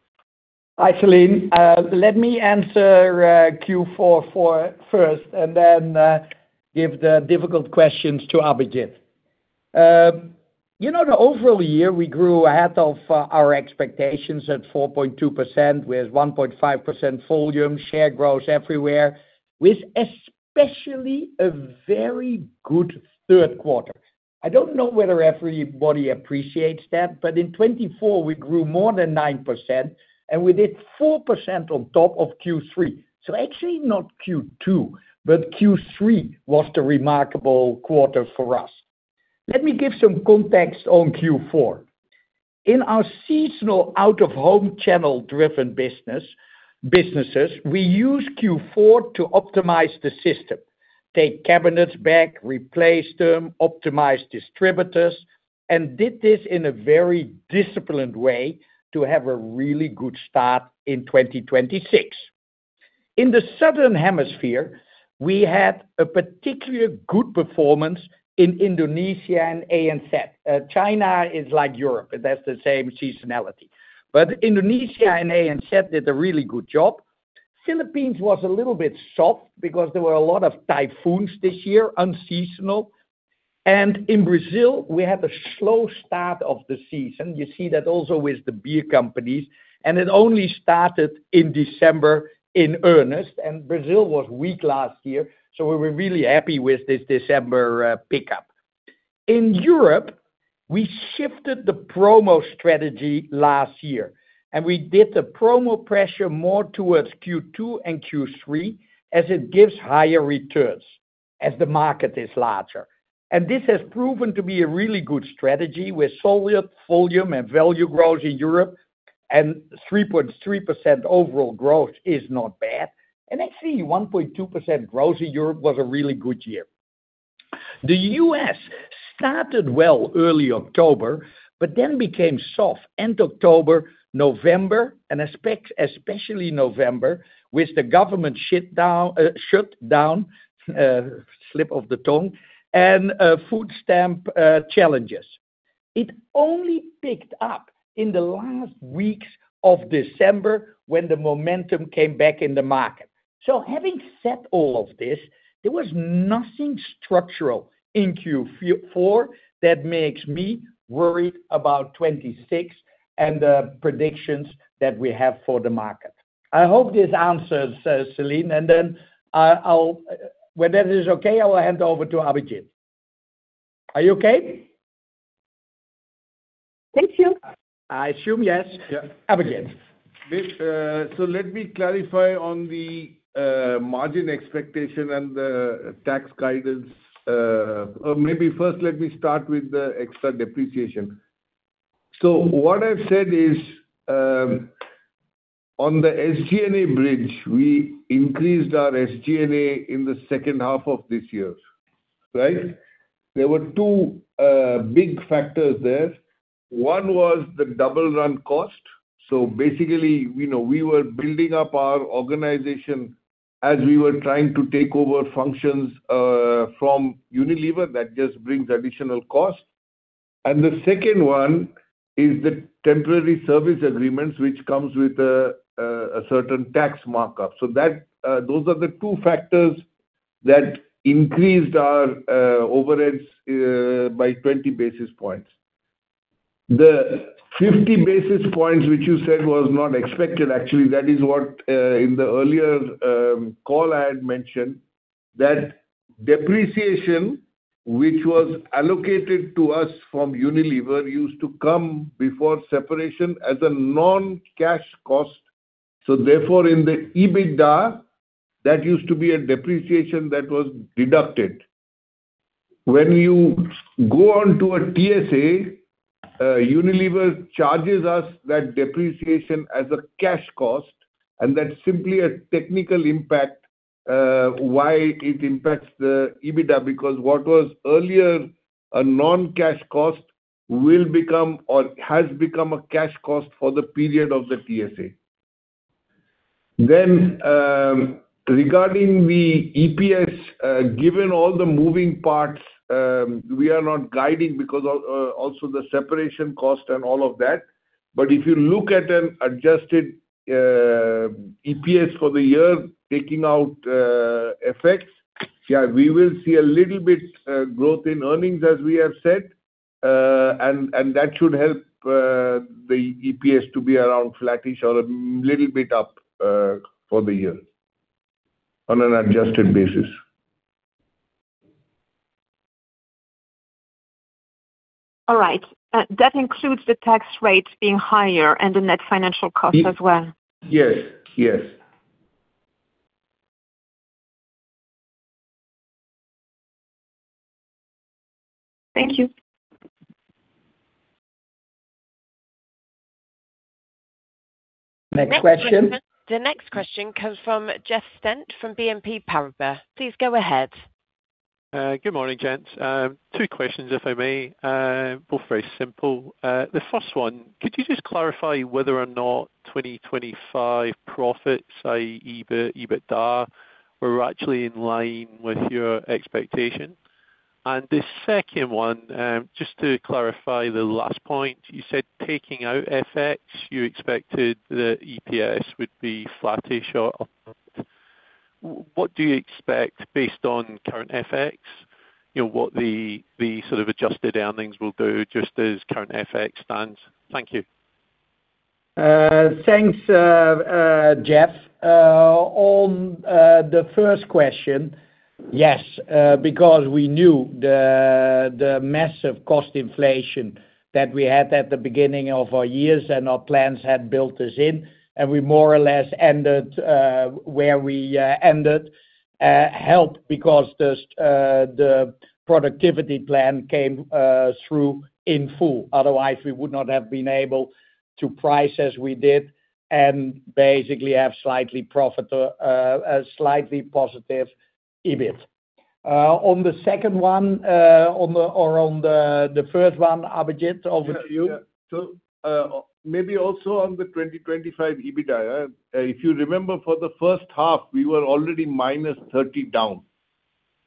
Hi, Celine. Let me answer Q4 first, and then give the difficult questions to Abhijit. You know, the overall year, we grew ahead of our expectations at 4.2%, with 1.5% volume share growth everywhere, with especially a very good third quarter. I don't know whether everybody appreciates that, but in 2024 we grew more than 9%, and we did 4% on top of Q3. So actually not Q2, but Q3 was the remarkable quarter for us. Let me give some context on Q4. In our seasonal out-of-home channel-driven business, we use Q4 to optimize the system, take cabinets back, replace them, optimize distributors, and did this in a very disciplined way to have a really good start in 2026. In the Southern Hemisphere, we had a particularly good performance in Indonesia and ANZ. China is like Europe, it has the same seasonality. But Indonesia and ANZ did a really good job. Philippines was a little bit soft because there were a lot of typhoons this year, unseasonal. in Brazil, we had a slow start of the season. You see that also with the beer companies, and it only started in December in earnest, and Brazil was weak last year, so we were really happy with this December pickup. In Europe, we shifted the promo strategy last year, and we did the promo pressure more towards Q2 and Q3, as it gives higher returns, as the market is larger. And this has proven to be a really good strategy, with solid volume and value growth in Europe, and 3.3% overall growth is not bad. And actually, 1.2% growth in Europe was a really good year. The U.S. started well early October, but then became soft end October, November, and especially November, with the government shut down, shut down, slip of the tongue, and food stamp challenges. It only picked up in the last weeks of December when the momentum came back in the market. So having said all of this, there was nothing structural in Q4 that makes me worried about 2026 and the predictions that we have for the market. I hope this answers, Celine, and then I'll, when that is okay, I will hand over to Abhijit. Are you okay? Thank you. I assume, yes. Yeah. Abhijit. So let me clarify on the margin expectation and the tax guidance. Or maybe first, let me start with the extra depreciation. So what I've said is, on the SG&A bridge, we increased our SG&A in the second half of this year, right? There were two big factors there. One was the double run cost. So basically, you know, we were building up our organization as we were trying to take over functions from Unilever. That just brings additional cost. And the second one is the temporary service agreements, which comes with a certain tax markup. So that those are the two factors that increased our overheads by 20 basis points. The 50 basis points, which you said was not expected, actually, that is what, in the earlier, call I had mentioned, that depreciation, which was allocated to us from Unilever, used to come before separation as a non-cash cost. So therefore, in the EBITDA, that used to be a depreciation that was deducted. When you go on to a TSA, Unilever charges us that depreciation as a cash cost, and that's simply a technical impact, why it impacts the EBITDA, because what was earlier a non-cash cost will become or has become a cash cost for the period of the TSA. Then, regarding the EPS, given all the moving parts, we are not guiding because of, also the separation cost and all of that. But if you look at an adjusted EPS for the year, taking out effects, yeah, we will see a little bit growth in earnings, as we have said. And that should help the EPS to be around flattish or a little bit up for the year on an adjusted basis. All right. That includes the tax rates being higher and the net financial costs as well? Yes. Yes. Thank you. Next question? The next question comes from Jeff Stent, from BNP Paribas. Please go ahead. Good morning, gents. Two questions, if I may, both very simple. The first one, could you just clarify whether or not 2025 profits, i.e., EBIT, EBITDA, were actually in line with your expectation? The second one, just to clarify the last point, you said taking out FX, you expected the EPS would be flattish or up. What do you expect based on current FX? You know, what the sort of adjusted earnings will do just as current FX stands. Thank you. Thanks, Jeff. On the first question, yes, because we knew the massive cost inflation that we had at the beginning of our years, and our plans had built this in, and we more or less ended where we ended, helped because the productivity plan came through in full. Otherwise, we would not have been able to price as we did and basically have a slightly positive EBIT. On the second one, on the... Or on the first one, Abhijit, over to you. Yeah. So, maybe also on the 2025 EBITDA, if you remember, for the first half, we were already minus 30 down.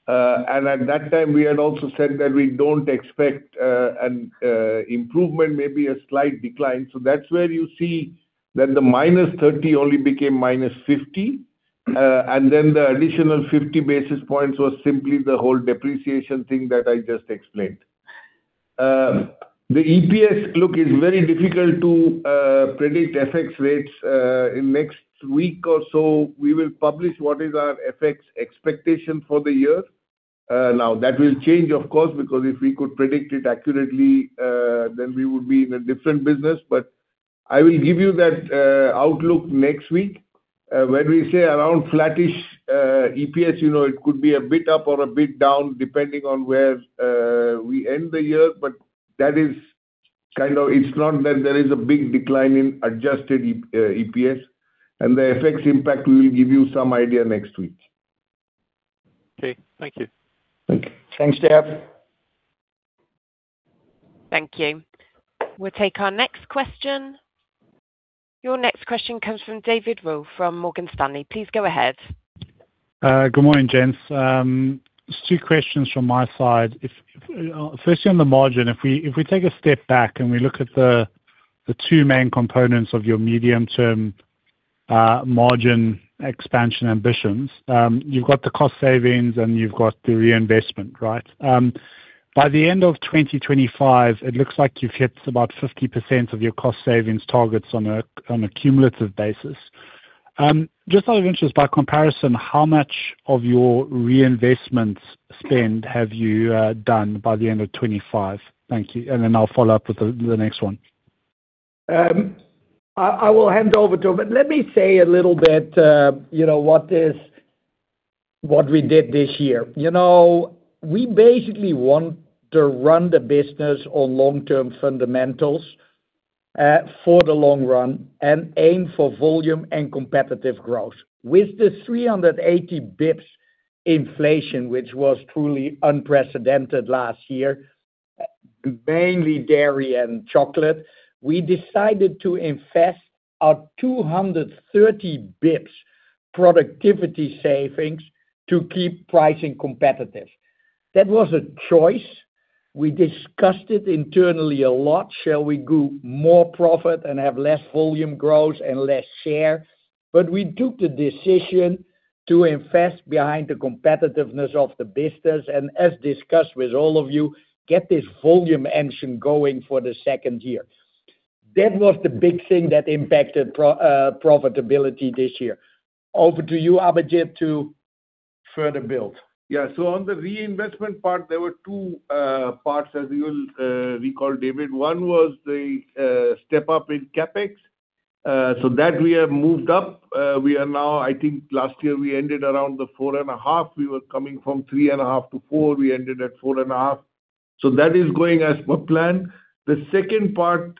And at that time, we had also said that we don't expect an improvement, maybe a slight decline. So that's where you see that the minus 30 only became minus 50. And then the additional 50 basis points was simply the whole depreciation thing that I just explained. The EPS look is very difficult to predict FX rates. In next week or so, we will publish what is our FX expectation for the year. Now, that will change, of course, because if we could predict it accurately, then we would be in a different business. But I will give you that outlook next week. When we say around flattish EPS, you know, it could be a bit up or a bit down, depending on where we end the year, but that is kind of. It's not that there is a big decline in adjusted EPS, and the FX impact, we will give you some idea next week. Okay. Thank you. Thank you. Thanks, Dave. Thank you. We'll take our next question. Your next question comes from David Roux from Morgan Stanley. Please go ahead. Good morning, gents. Just two questions from my side. If, if, firstly, on the margin, if we, if we take a step back and we look at the, the two main components of your medium-term, margin expansion ambitions, you've got the cost savings, and you've got the reinvestment, right? By the end of 2025, it looks like you've hit about 50% of your cost savings targets on a, on a cumulative basis. Just out of interest, by comparison, how much of your reinvestment spend have you, done by the end of 2025? Thank you, and then I'll follow up with the, the next one. I will hand over to him, but let me say a little bit, you know, what we did this year. You know, we basically want to run the business on long-term fundamentals, for the long run and aim for volume and competitive growth. With the 380 bps inflation, which was truly unprecedented last year, mainly dairy and chocolate, we decided to invest our 230 bps productivity savings to keep pricing competitive. That was a choice. We discussed it internally a lot. Shall we go more profit and have less volume growth and less share? But we took the decision to invest behind the competitiveness of the business, and as discussed with all of you, get this volume engine going for the second year. That was the big thing that impacted profitability this year. Over to you, Abhijit, to further build. Yeah. So on the reinvestment part, there were two parts, as you'll recall, David. One was the step up in CapEx. So that we have moved up. We are now. I think last year we ended around 4.5. We were coming from 3.5 to 4. We ended at 4.5. So that is going as per plan. The second part,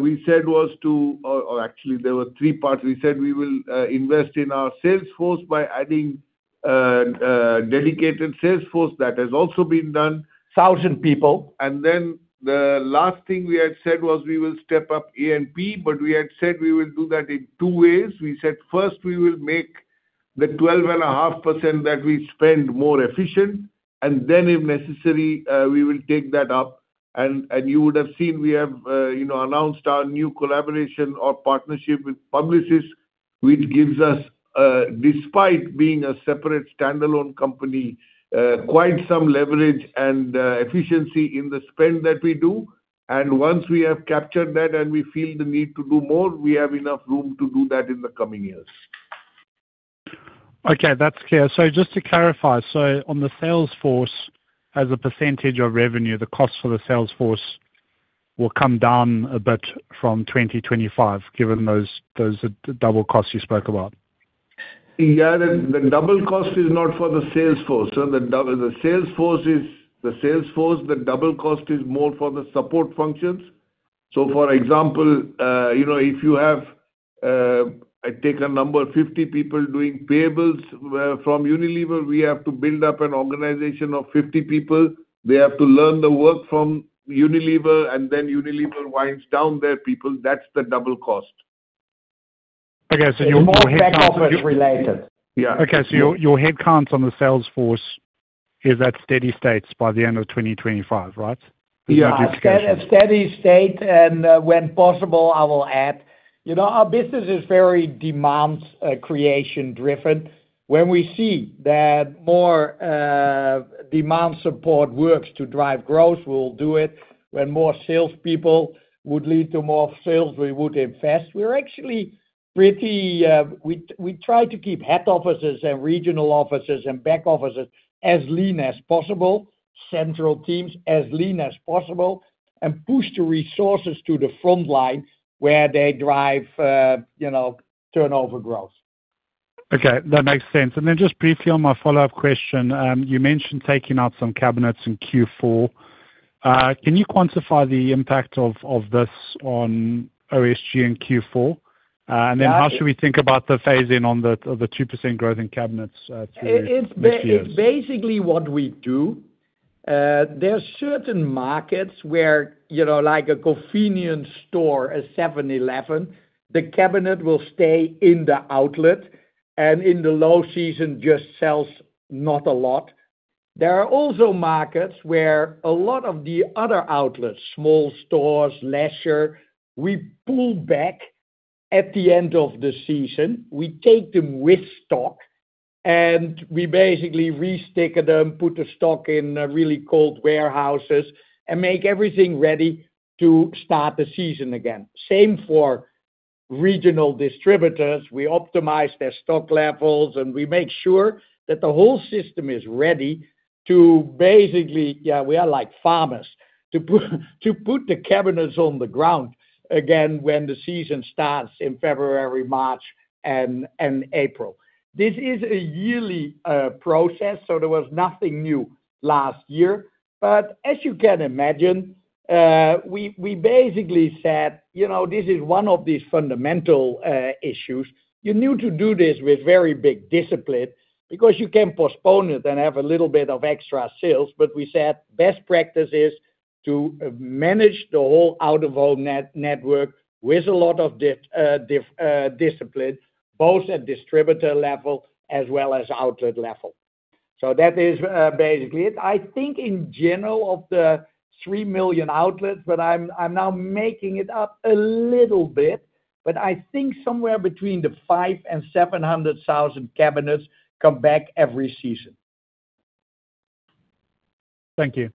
we said, was to... Or actually there were three parts. We said we will invest in our sales force by adding a dedicated sales force. That has also been done. Thousand people. And then the last thing we had said was, we will step up A&P, but we had said we will do that in two ways. We said, first, we will make the 12.5% that we spend more efficient, and then, if necessary, we will take that up. And, and you would have seen, we have, you know, announced our new collaboration or partnership with Publicis, which gives us, despite being a separate standalone company, quite some leverage and, efficiency in the spend that we do. And once we have captured that and we feel the need to do more, we have enough room to do that in the coming years. Okay, that's clear. So just to clarify, so on the sales force, as a percentage of revenue, the cost for the sales force will come down a bit from 2025, given those, those double costs you spoke about? Yeah. The double cost is not for the sales force. So the sales force is the sales force. The double cost is more for the support functions. So, for example, you know, if you have, I take a number, 50 people doing payables from Unilever, we have to build up an organization of 50 people. They have to learn the work from Unilever, and then Unilever winds down their people. That's the double cost. Okay, so your- It's more back office related. Yeah. Okay, so your headcounts on the sales force is at steady states by the end of 2025, right? Yeah. Yeah, steady, steady state, and when possible, I will add. You know, our business is very demand creation-driven. When we see that more demand support works to drive growth, we'll do it. When more salespeople would lead to more sales, we would invest. We're actually pretty. We try to keep head offices and regional offices and back offices as lean as possible, central teams as lean as possible, and push the resources to the front line where they drive, you know, turnover growth. Okay, that makes sense. And then just briefly on my follow-up question, you mentioned taking out some cabinets in Q4. Can you quantify the impact of, of this on OSG in Q4? And then how should we think about the phase-in on the, on the 2% growth in cabinets, through next years? It's, it's basically what we do. There are certain markets where, you know, like a convenience store, a 7-Eleven, the cabinet will stay in the outlet, and in the low season, just sells not a lot. There are also markets where a lot of the other outlets, small stores, lesser, we pull back at the end of the season, we take them with stock, and we basically resticker them, put the stock in, really cold warehouses, and make everything ready to start the season again. Same for regional distributors. We optimize their stock levels, and we make sure that the whole system is ready to basically-- yeah, we are like farmers, to put, to put the cabinets on the ground again when the season starts in February, March, and, and April. This is a yearly process, so there was nothing new last year. But as you can imagine, we basically said, you know, this is one of these fundamental issues. You need to do this with very big discipline, because you can postpone it and have a little bit of extra sales. But we said, best practice is to manage the whole out-of-home network with a lot of discipline, both at distributor level as well as outlet level. So that is basically it. I think in general, of the 3 million outlets, but I'm now making it up a little bit, but I think somewhere between 500,000 and 700,000 cabinets come back every season. Thank you.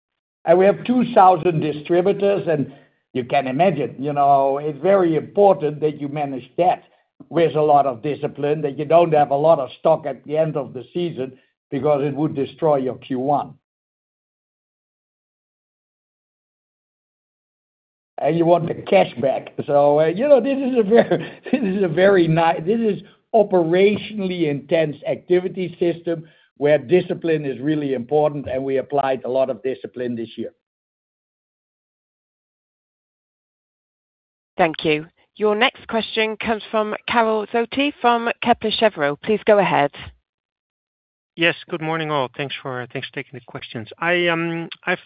We have 2,000 distributors, and you can imagine, you know, it's very important that you manage that with a lot of discipline, that you don't have a lot of stock at the end of the season, because it would destroy your Q1. You want the cash back. You know, this is a very operationally intense activity system, where discipline is really important, and we applied a lot of discipline this year. Thank you. Your next question comes from Karel Zoete from Kepler Cheuvreux. Please go ahead. Yes, good morning, all. Thanks for taking the questions. I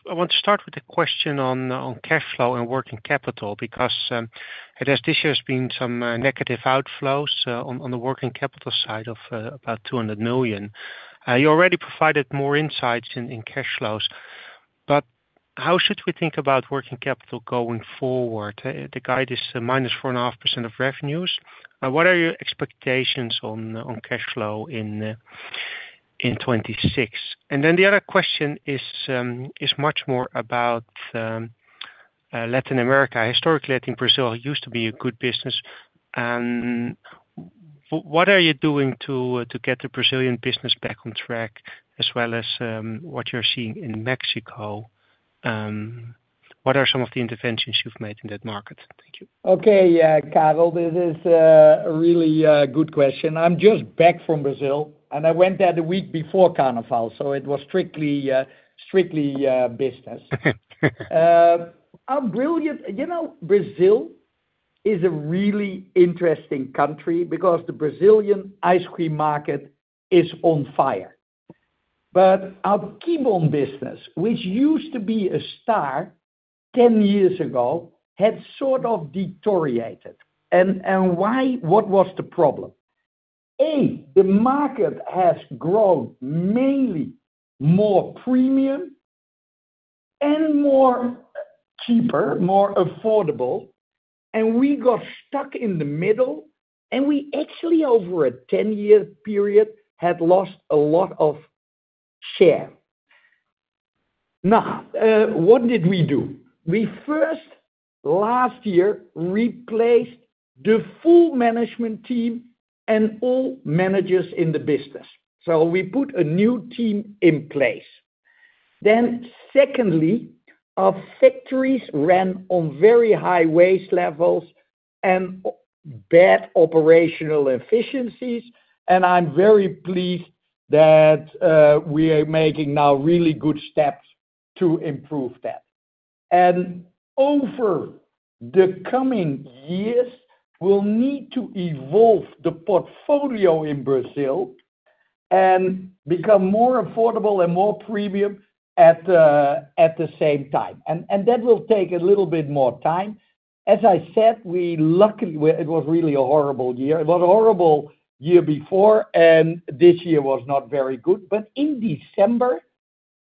want to start with a question on cash flow and working capital, because it has this year been some negative outflows on the working capital side of about 200 million. You already provided more insights in cash flows, but how should we think about working capital going forward? The guide is -4.5% of revenues. What are your expectations on cash flow in 2026? And then the other question is much more about Latin America. Historically, I think Brazil used to be a good business. What are you doing to get the Brazilian business back on track, as well as what you're seeing in Mexico? What are some of the interventions you've made in that market? Thank you. Okay, Karel, this is a really good question. I'm just back from Brazil, and I went there the week before Carnival, so it was strictly business. Our brilliant—You know, Brazil is a really interesting country because the Brazilian ice cream market is on fire. But our Kibon business, which used to be a star 10 years ago, had sort of deteriorated. And why? What was the problem? A, the market has grown mainly more premium and more cheaper, more affordable, and we got stuck in the middle, and we actually, over a 10-year period, had lost a lot of share. Now, what did we do? We first, last year, replaced the full management team and all managers in the business. So we put a new team in place. Then secondly, our factories ran on very high waste levels and bad operational efficiencies, and I'm very pleased that we are making now really good steps to improve that. And over the coming years, we'll need to evolve the portfolio in Brazil and become more affordable and more premium at the same time. And that will take a little bit more time. As I said, we luckily it was really a horrible year. It was a horrible year before, and this year was not very good. But in December,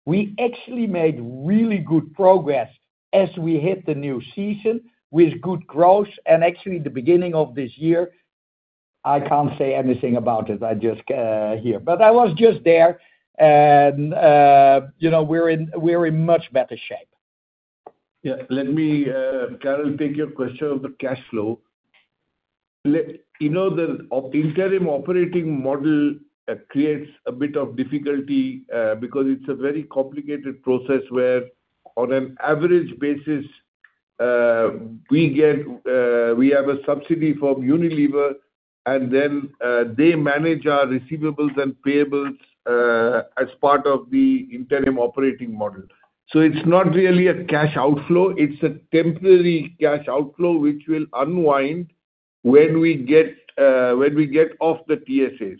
we actually made really good progress as we hit the new season with good growth. And actually, the beginning of this year, I can't say anything about it. I just hear. But I was just there, and you know, we're in, we're in much better shape. Yeah, let me, Karel, take your question on the cash flow. Let me, you know, the interim operating model creates a bit of difficulty, because it's a very complicated process where on an average basis, we get, we have a subsidy from Unilever, and then, they manage our receivables and payables, as part of the interim operating model. So it's not really a cash outflow, it's a temporary cash outflow, which will unwind when we get, when we get off the TSAs.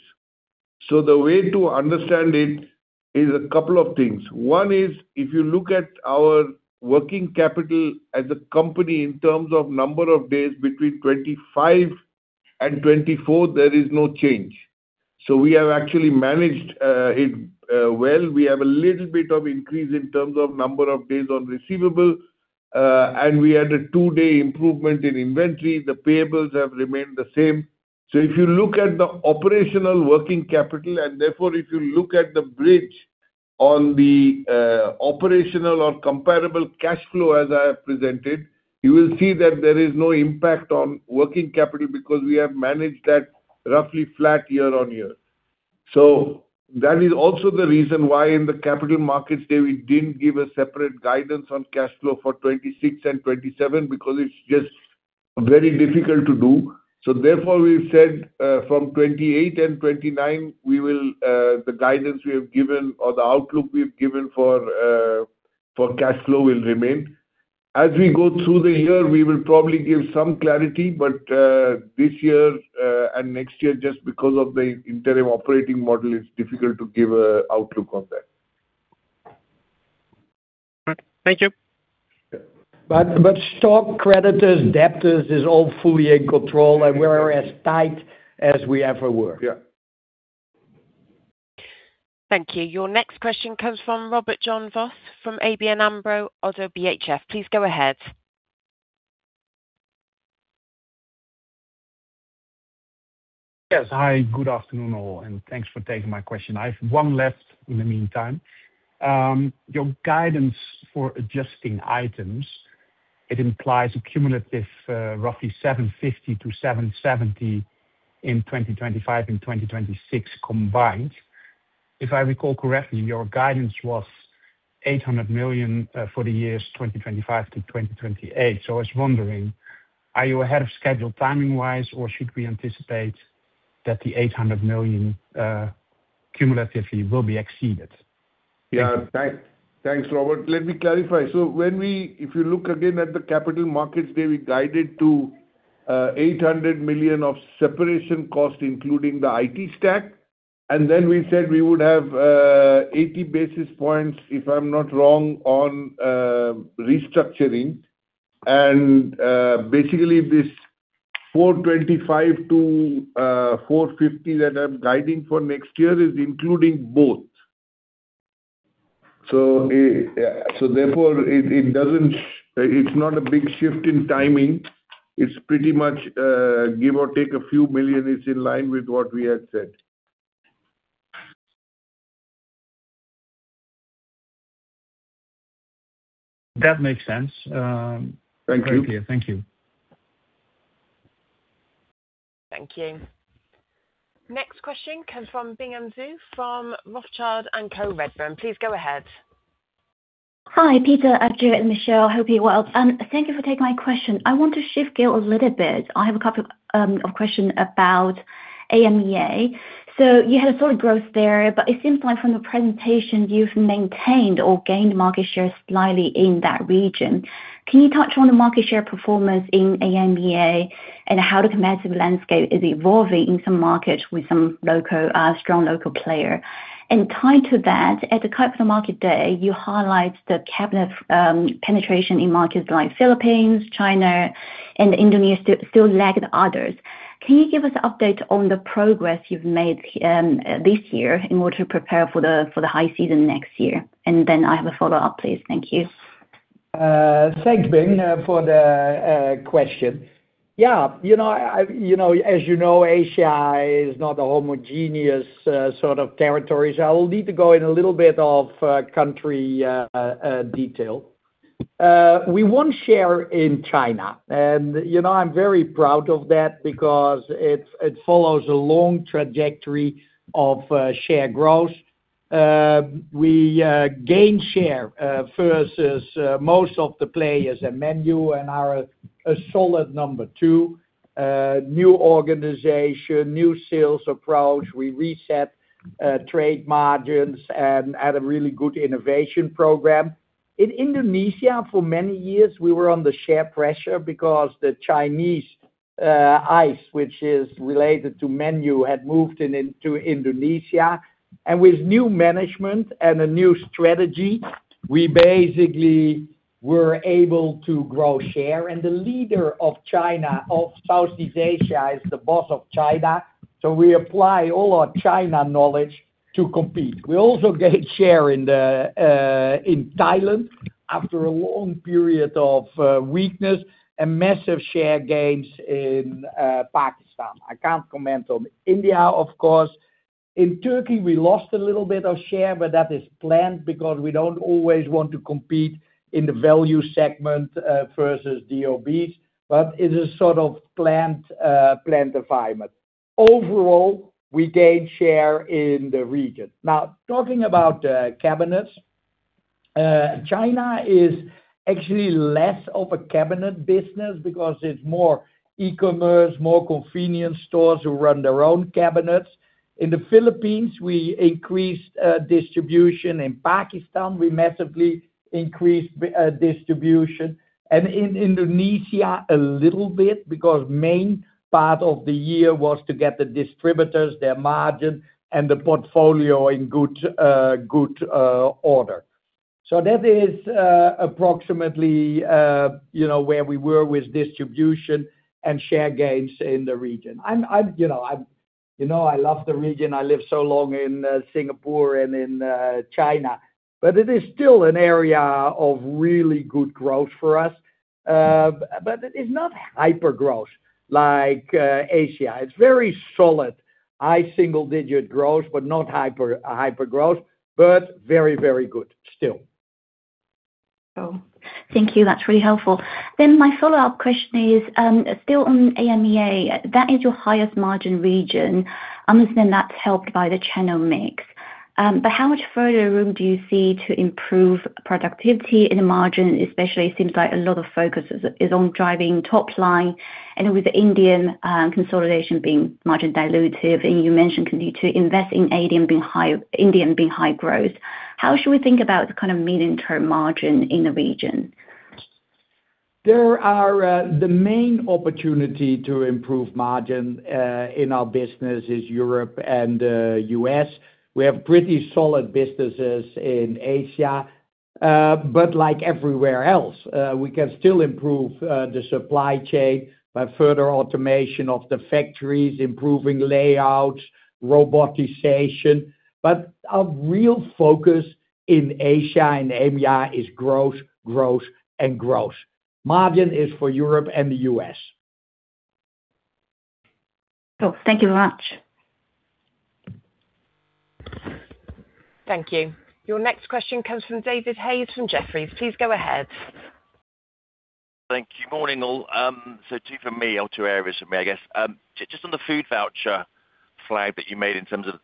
So the way to understand it is a couple of things. One is, if you look at our working capital as a company in terms of number of days between 25 and 24, there is no change. So we have actually managed it well. We have a little bit of increase in terms of number of days on receivables, and we had a 2-day improvement in inventory. The payables have remained the same. So if you look at the operational working capital, and therefore, if you look at the bridge on the, operational or comparable cash flow, as I have presented, you will see that there is no impact on working capital, because we have managed that roughly flat year-on-year. So that is also the reason why in the Capital Markets Day, we didn't give a separate guidance on cash flow for 2026 and 2027, because it's just very difficult to do. So therefore, we've said, from 2028 and 2029, we will, the guidance we have given or the outlook we've given for, for cash flow will remain. As we go through the year, we will probably give some clarity, but this year and next year, just because of the interim operating model, it's difficult to give an outlook on that. Thank you. Yeah. But stock creditors, debtors, is all fully in control, and we're as tight as we ever were. Yeah. Thank you. Your next question comes from Robert Jan Vos from ABN AMRO Oddo BHF. Please go ahead. Yes. Hi, good afternoon, all, and thanks for taking my question. I have one last in the meantime. Your guidance for adjusting items, it implies a cumulative, roughly 750 million-770 million in 2025 and 2026 combined. If I recall correctly, your guidance was 800 million, for the years 2025 to 2028. So I was wondering, are you ahead of schedule timing-wise, or should we anticipate that the 800 million, cumulatively will be exceeded? Yeah. Thanks, Robert. Let me clarify. So, if you look again at the Capital Markets Day, we guided to 800 million of separation cost, including the IT stack, and then we said we would have 80 basis points, if I'm not wrong, on restructuring. And, basically, this 425 million-450 million that I'm guiding for next year is including both. So, therefore, it doesn't... It's not a big shift in timing. It's pretty much, give or take EUR a few million, it's in line with what we had said. That makes sense. Thank you. Clear. Thank you. Thank you. Next question comes from Bingqing Zhu, from Rothschild & Co Redburn. Please go ahead. Hi, Peter, Abhijit, and Michèle. Hope you're well. Thank you for taking my question. I want to shift gear a little bit. I have a couple of question about AMEA. So you had a solid growth there, but it seems like from the presentation, you've maintained or gained market share slightly in that region. Can you touch on the market share performance in AMEA, and how the competitive landscape is evolving in some markets with some local strong local player? And tied to that, at the Capital Markets Day, you highlight the cabinet penetration in markets like Philippines, China, and Indonesia still lag the others. Can you give us an update on the progress you've made this year in order to prepare for the, for the high season next year? And then I have a follow-up, please. Thank you. Thanks, Bing, for the question. Yeah, you know, as you know, Asia is not a homogeneous sort of territories. I will need to go in a little bit of country detail. We won share in China, and, you know, I'm very proud of that because it follows a long trajectory of share growth. We gained share versus most of the players and Mengniu and are a solid number two. New organization, new sales approach. We reset trade margins and had a really good innovation program. In Indonesia, for many years, we were under share pressure because the Chinese Ice, which is related to Menue, had moved in into Indonesia. With new management and a new strategy, we basically were able to grow share, and the leader of China, of Southeast Asia, is the boss of China, so we apply all our China knowledge to compete. We also gained share in Thailand, after a long period of weakness and massive share gains in Pakistan. I can't comment on India, of course. In Turkey, we lost a little bit of share, but that is planned because we don't always want to compete in the value segment versus DOBs, but it is sort of planned environment. Overall, we gained share in the region. Now, talking about cabinets. China is actually less of a cabinet business because it's more e-commerce, more convenience stores who run their own cabinets. In the Philippines, we increased distribution. In Pakistan, we massively increased distribution, and in Indonesia, a little bit because main part of the year was to get the distributors, their margin, and the portfolio in good good order. So that is approximately you know where we were with distribution and share gains in the region. You know, I love the region. I lived so long in Singapore and in China. But it is still an area of really good growth for us. But it is not hyper growth like Asia. It's very solid, high single-digit growth, but not hyper hyper growth, but very very good still. Oh, thank you. That's really helpful. Then my follow-up question is still on EMEA, that is your highest margin region, I'm assuming that's helped by the channel mix. But how much further room do you see to improve productivity in the margin, especially, it seems like a lot of focus is, is on driving top line, and with the Indian consolidation being margin dilutive, and you mentioned continue to invest in ADM being high-- Indian being high growth. How should we think about the kind of medium-term margin in the region? There are the main opportunity to improve margin in our business is Europe and U.S. We have pretty solid businesses in Asia, but like everywhere else, we can still improve the supply chain by further automation of the factories, improving layouts, robotization. But our real focus in Asia and EMEA is growth, growth, and growth. Margin is for Europe and the U.S. Cool. Thank you very much. Thank you. Your next question comes from David Hayes from Jefferies. Please go ahead. Thank you. Morning, all. So two for me, or two areas for me, I guess. Just on the food voucher flag that you made in terms of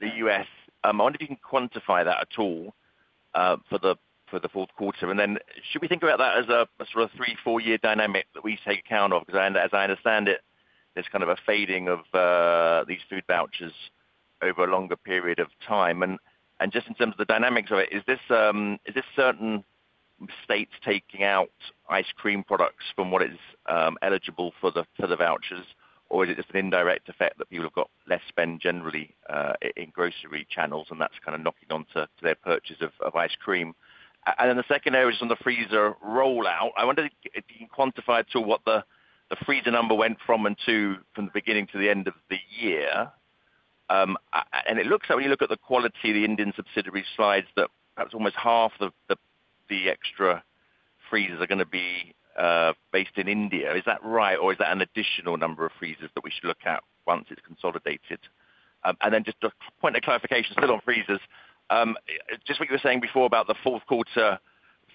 the U.S., I wonder if you can quantify that at all, for the fourth quarter. And then should we think about that as a sort of three, four-year dynamic that we take account of? Because as I understand it, there's kind of a fading of these food vouchers over a longer period of time. And just in terms of the dynamics of it, is this certain states taking out ice cream products from what is eligible for the vouchers? Or is it just an indirect effect that people have got less spend generally in grocery channels, and that's kind of knocking on to their purchase of ice cream? And then the second area is on the freezer rollout. I wonder if you can quantify to what the freezer number went from and to, from the beginning to the end of the year. And it looks like when you look at the quality of the Indian subsidiary slides, that perhaps almost half the extra freezers are gonna be based in India. Is that right, or is that an additional number of freezers that we should look at once it's consolidated? And then just a point of clarification, still on freezers. Just what you were saying before about the fourth quarter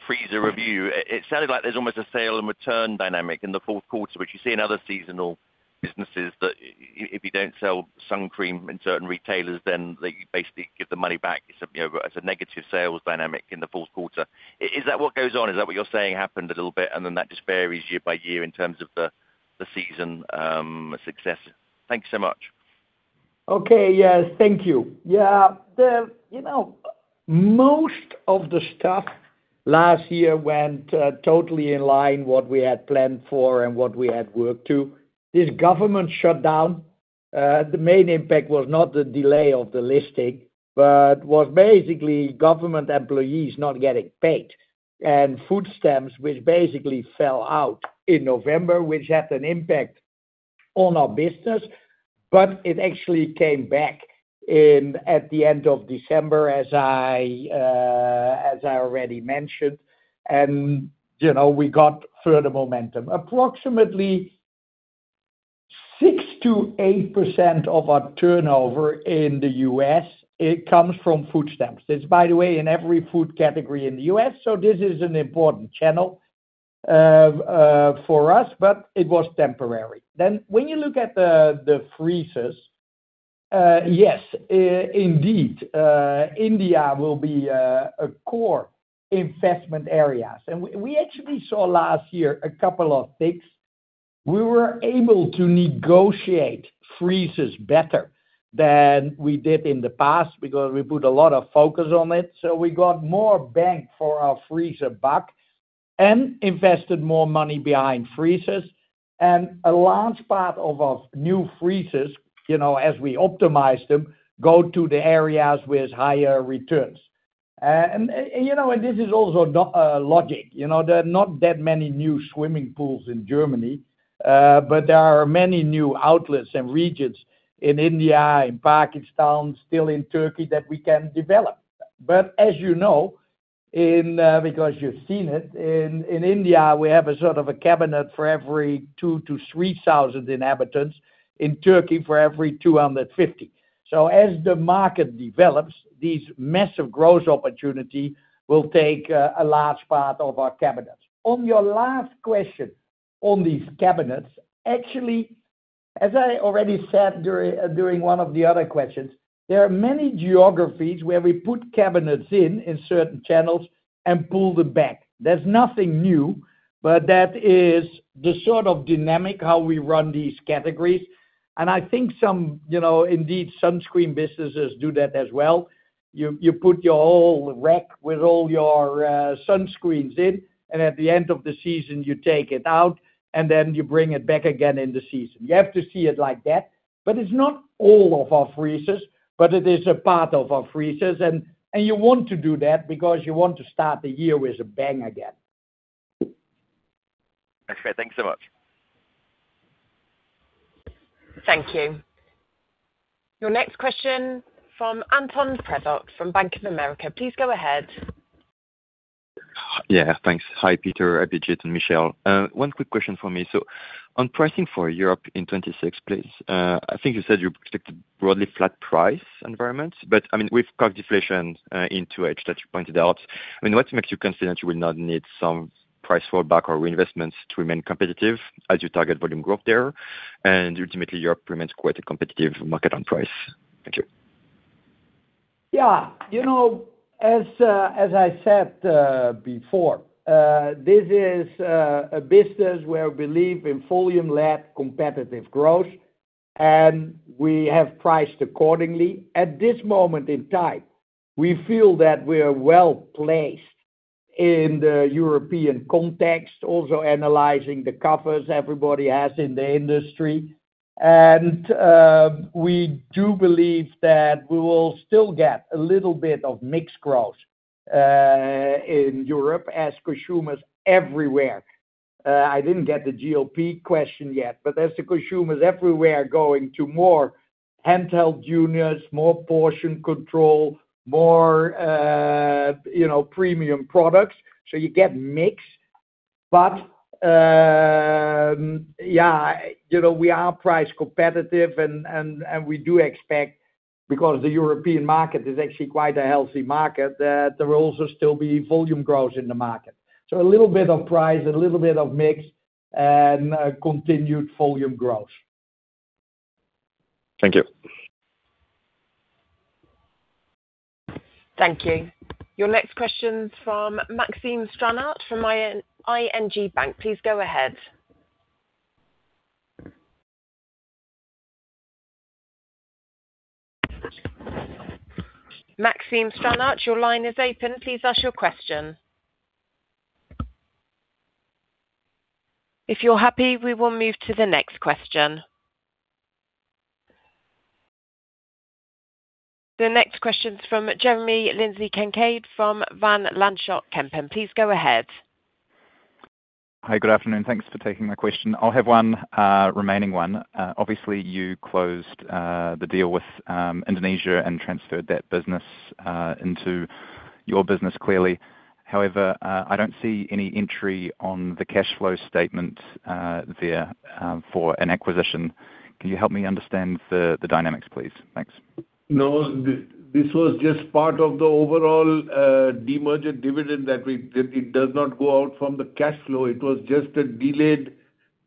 freezer review, it sounded like there's almost a sale and return dynamic in the fourth quarter, which you see in other seasonal businesses, that if you don't sell sun cream in certain retailers, then they basically give the money back. It's, you know, it's a negative sales dynamic in the fourth quarter. Is that what goes on? Is that what you're saying happened a little bit, and then that just varies year by year in terms of the season success? Thank you so much. Okay, yes. Thank you. Yeah, the... You know, most of the stuff last year went totally in line what we had planned for and what we had worked to. This government shutdown, the main impact was not the delay of the listing, but was basically government employees not getting paid, and food stamps, which basically fell out in November, which had an impact on our business, but it actually came back in, at the end of December, as I, as I already mentioned, and, you know, we got further momentum. Approximately 6%-8% of our turnover in the U.S., it comes from food stamps. It's, by the way, in every food category in the U.S., so this is an important channel, for us, but it was temporary. Then, when you look at the freezers, yes, indeed, India will be a core investment areas. And we actually saw last year a couple of things. We were able to negotiate freezers better than we did in the past because we put a lot of focus on it. So we got more bang for our freezer buck and invested more money behind freezers. And a large part of our new freezers, you know, as we optimize them, go to the areas with higher returns. And you know, and this is also no logic. You know, there are not that many new swimming pools in Germany, but there are many new outlets and regions in India, in Pakistan, still in Turkey, that we can develop. But as you know, in, because you've seen it, in India, we have a sort of a cabinet for every 2-3,000 inhabitants, in Turkey, for every 250. So as the market develops, these massive growth opportunity will take a large part of our cabinets. On your last question on these cabinets, actually, as I already said during one of the other questions, there are many geographies where we put cabinets in certain channels, and pull them back. There's nothing new, but that is the sort of dynamic how we run these categories, and I think some, you know, indeed, sunscreen businesses do that as well. You put your whole rack with all your sunscreens in, and at the end of the season, you take it out, and then you bring it back again in the season. You have to see it like that. But it's not all of our freezers, but it is a part of our freezers, and, and you want to do that because you want to start the year with a bang again. Okay, thanks so much. Thank you. Your next question from Antoine Prévot from Bank of America, please go ahead. Yeah, thanks. Hi, Peter, Abhijit, and Michèle. One quick question for me. So on pricing for Europe in 2026, please, I think you said you predicted broadly flat price environments, but, I mean, with cost deflation into it, that you pointed out, I mean, what makes you confident you will not need some price fallback or reinvestments to remain competitive as you target volume growth there? And ultimately, Europe remains quite a competitive market on price. Thank you. Yeah, you know, as I said before, this is a business where we believe in volume-led competitive growth, and we have priced accordingly. At this moment in time, we feel that we are well-placed in the European context, also analyzing the coverage everybody has in the industry. And we do believe that we will still get a little bit of mix growth in Europe as consumers everywhere. I didn't get the GLP question yet, but as the consumers everywhere are going to more handheld units, more portion control, more premium products, so you get mix. But yeah, you know, we are price competitive and we do expect, because the European market is actually quite a healthy market, that there will also still be volume growth in the market. So a little bit of price and a little bit of mix and continued volume growth. Thank you. Thank you. Your next question from Maxime Stranart from ING Bank. Please go ahead. Maxime Stranart, your line is open. Please ask your question. If you're happy, we will move to the next question. The next question is from Jeremy Lindsay-Kincaid from Van Lanschot Kempen. Please go ahead. Hi, good afternoon. Thanks for taking my question. I'll have one remaining one. Obviously, you closed the deal with Indonesia and transferred that business into your business clearly. However, I don't see any entry on the cash flow statement there for an acquisition. Can you help me understand the dynamics, please? Thanks. No, this was just part of the overall, demerger dividend that we... It does not go out from the cash flow. It was just a delayed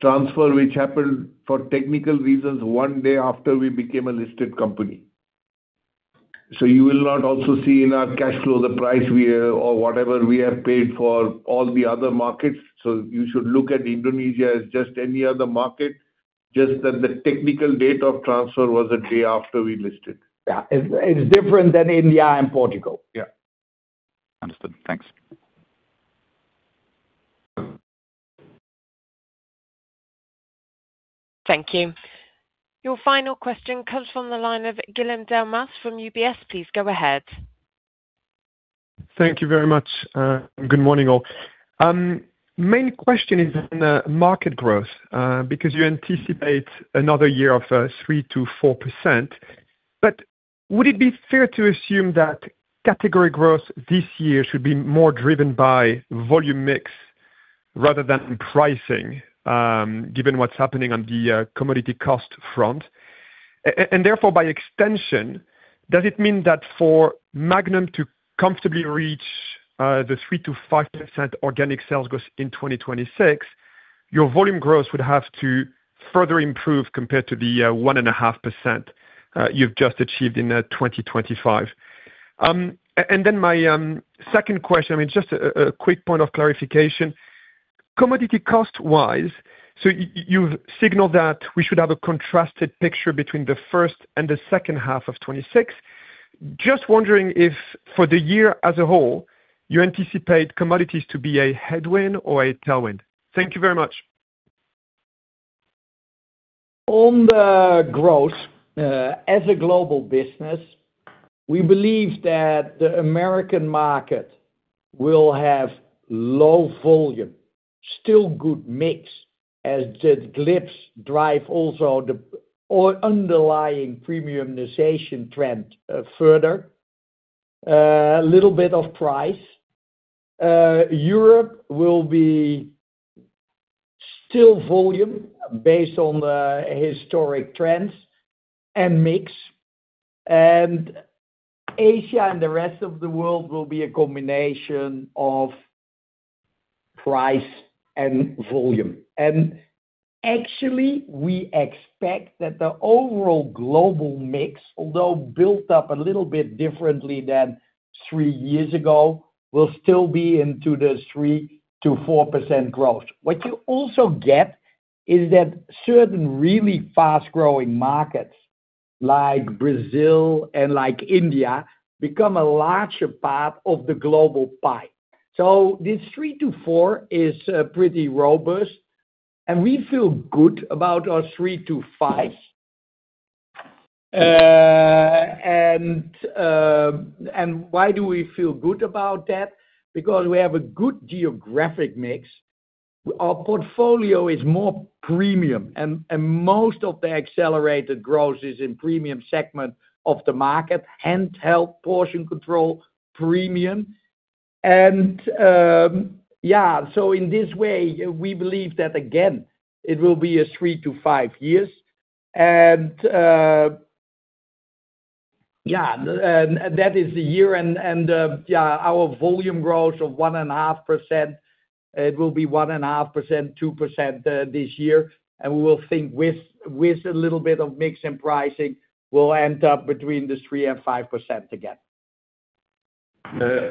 transfer which happened for technical reasons one day after we became a listed company. So you will not also see in our cash flow, the price we or whatever we have paid for all the other markets. So you should look at Indonesia as just any other market, just that the technical date of transfer was a day after we listed. Yeah. It is different than India and Portugal. Yeah. Understood. Thanks. Thank you. Your final question comes from the line of Guillaume Del Mas from UBS. Please go ahead. Thank you very much. Good morning, all. Main question is on the market growth, because you anticipate another year of 3%-4%, but would it be fair to assume that category growth this year should be more driven by volume mix rather than pricing, given what's happening on the commodity cost front? And therefore, by extension, does it mean that for Magnum to comfortably reach the 3%-5% organic sales growth in 2026, your volume growth would have to further improve compared to the 1.5% you've just achieved in 2025? And then my second question, I mean, just a quick point of clarification. Commodity cost-wise, so you've signaled that we should have a contrasted picture between the first and the second half of 2026. Just wondering if for the year as a whole, you anticipate commodities to be a headwind or a tailwind? Thank you very much. On the growth, as a global business, we believe that the American market will have low volume, still good mix, as the GLP-1s drive also the underlying premiumization trend, further. Little bit of price. Europe will be still volume based on the historic trends and mix, and Asia and the rest of the world will be a combination of price and volume. And actually, we expect that the overall global mix, although built up a little bit differently than three years ago, will still be into the 3%-4% growth. What you also get is that certain really fast-growing markets like Brazil and like India become a larger part of the global pie. So this 3%-4% is pretty robust, and we feel good about our 3-5. And why do we feel good about that? Because we have a good geographic mix. Our portfolio is more premium, and most of the accelerated growth is in premium segment of the market, handheld portion control, premium. So in this way, we believe that again, it will be 3-5 years. And that is the year, our volume growth of 1.5%, it will be 1.5%-2% this year. And we will think with a little bit of mix in pricing, we'll end up between 3% and 5% again.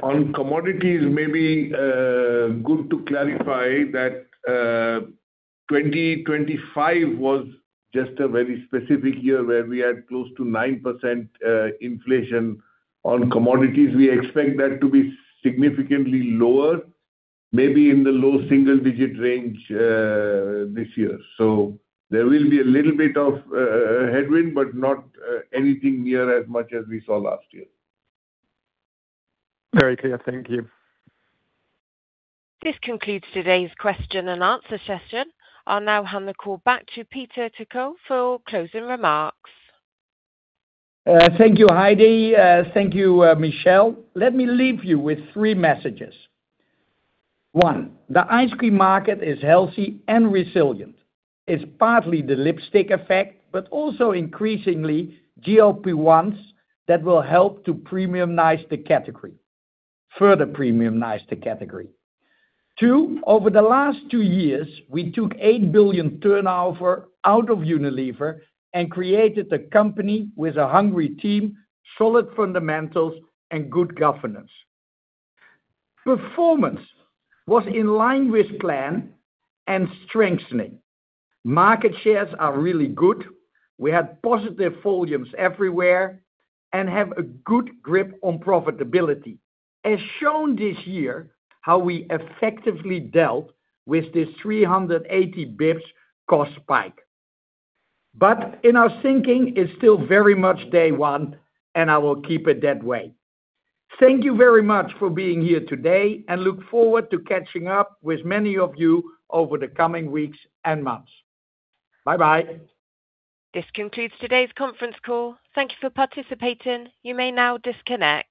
On commodities, maybe good to clarify that 2025 was just a very specific year where we had close to 9% inflation on commodities. We expect that to be significantly lower, maybe in the low single-digit range, this year. So there will be a little bit of headwind, but not anything near as much as we saw last year. Very clear. Thank you. This concludes today's question and answer session. I'll now hand the call back to Peter ter Kulve for closing remarks. Thank you, Heidi. Thank you, Michelle. Let me leave you with three messages. One, the ice cream market is healthy and resilient. It's partly the lipstick effect, but also increasingly GLP-1s that will help to premiumize the category, further premiumize the category. Two, over the last two years, we took 8 billion turnover out of Unilever and created a company with a hungry team, solid fundamentals, and good governance. Performance was in line with plan and strengthening. Market shares are really good. We had positive volumes everywhere, and have a good grip on profitability, as shown this year, how we effectively dealt with this 380 basis points cost spike. But in our thinking, it's still very much day one, and I will keep it that way. Thank you very much for being here today, and look forward to catching up with many of you over the coming weeks and months. Bye-bye. This concludes today's conference call. Thank you for participating. You may now disconnect.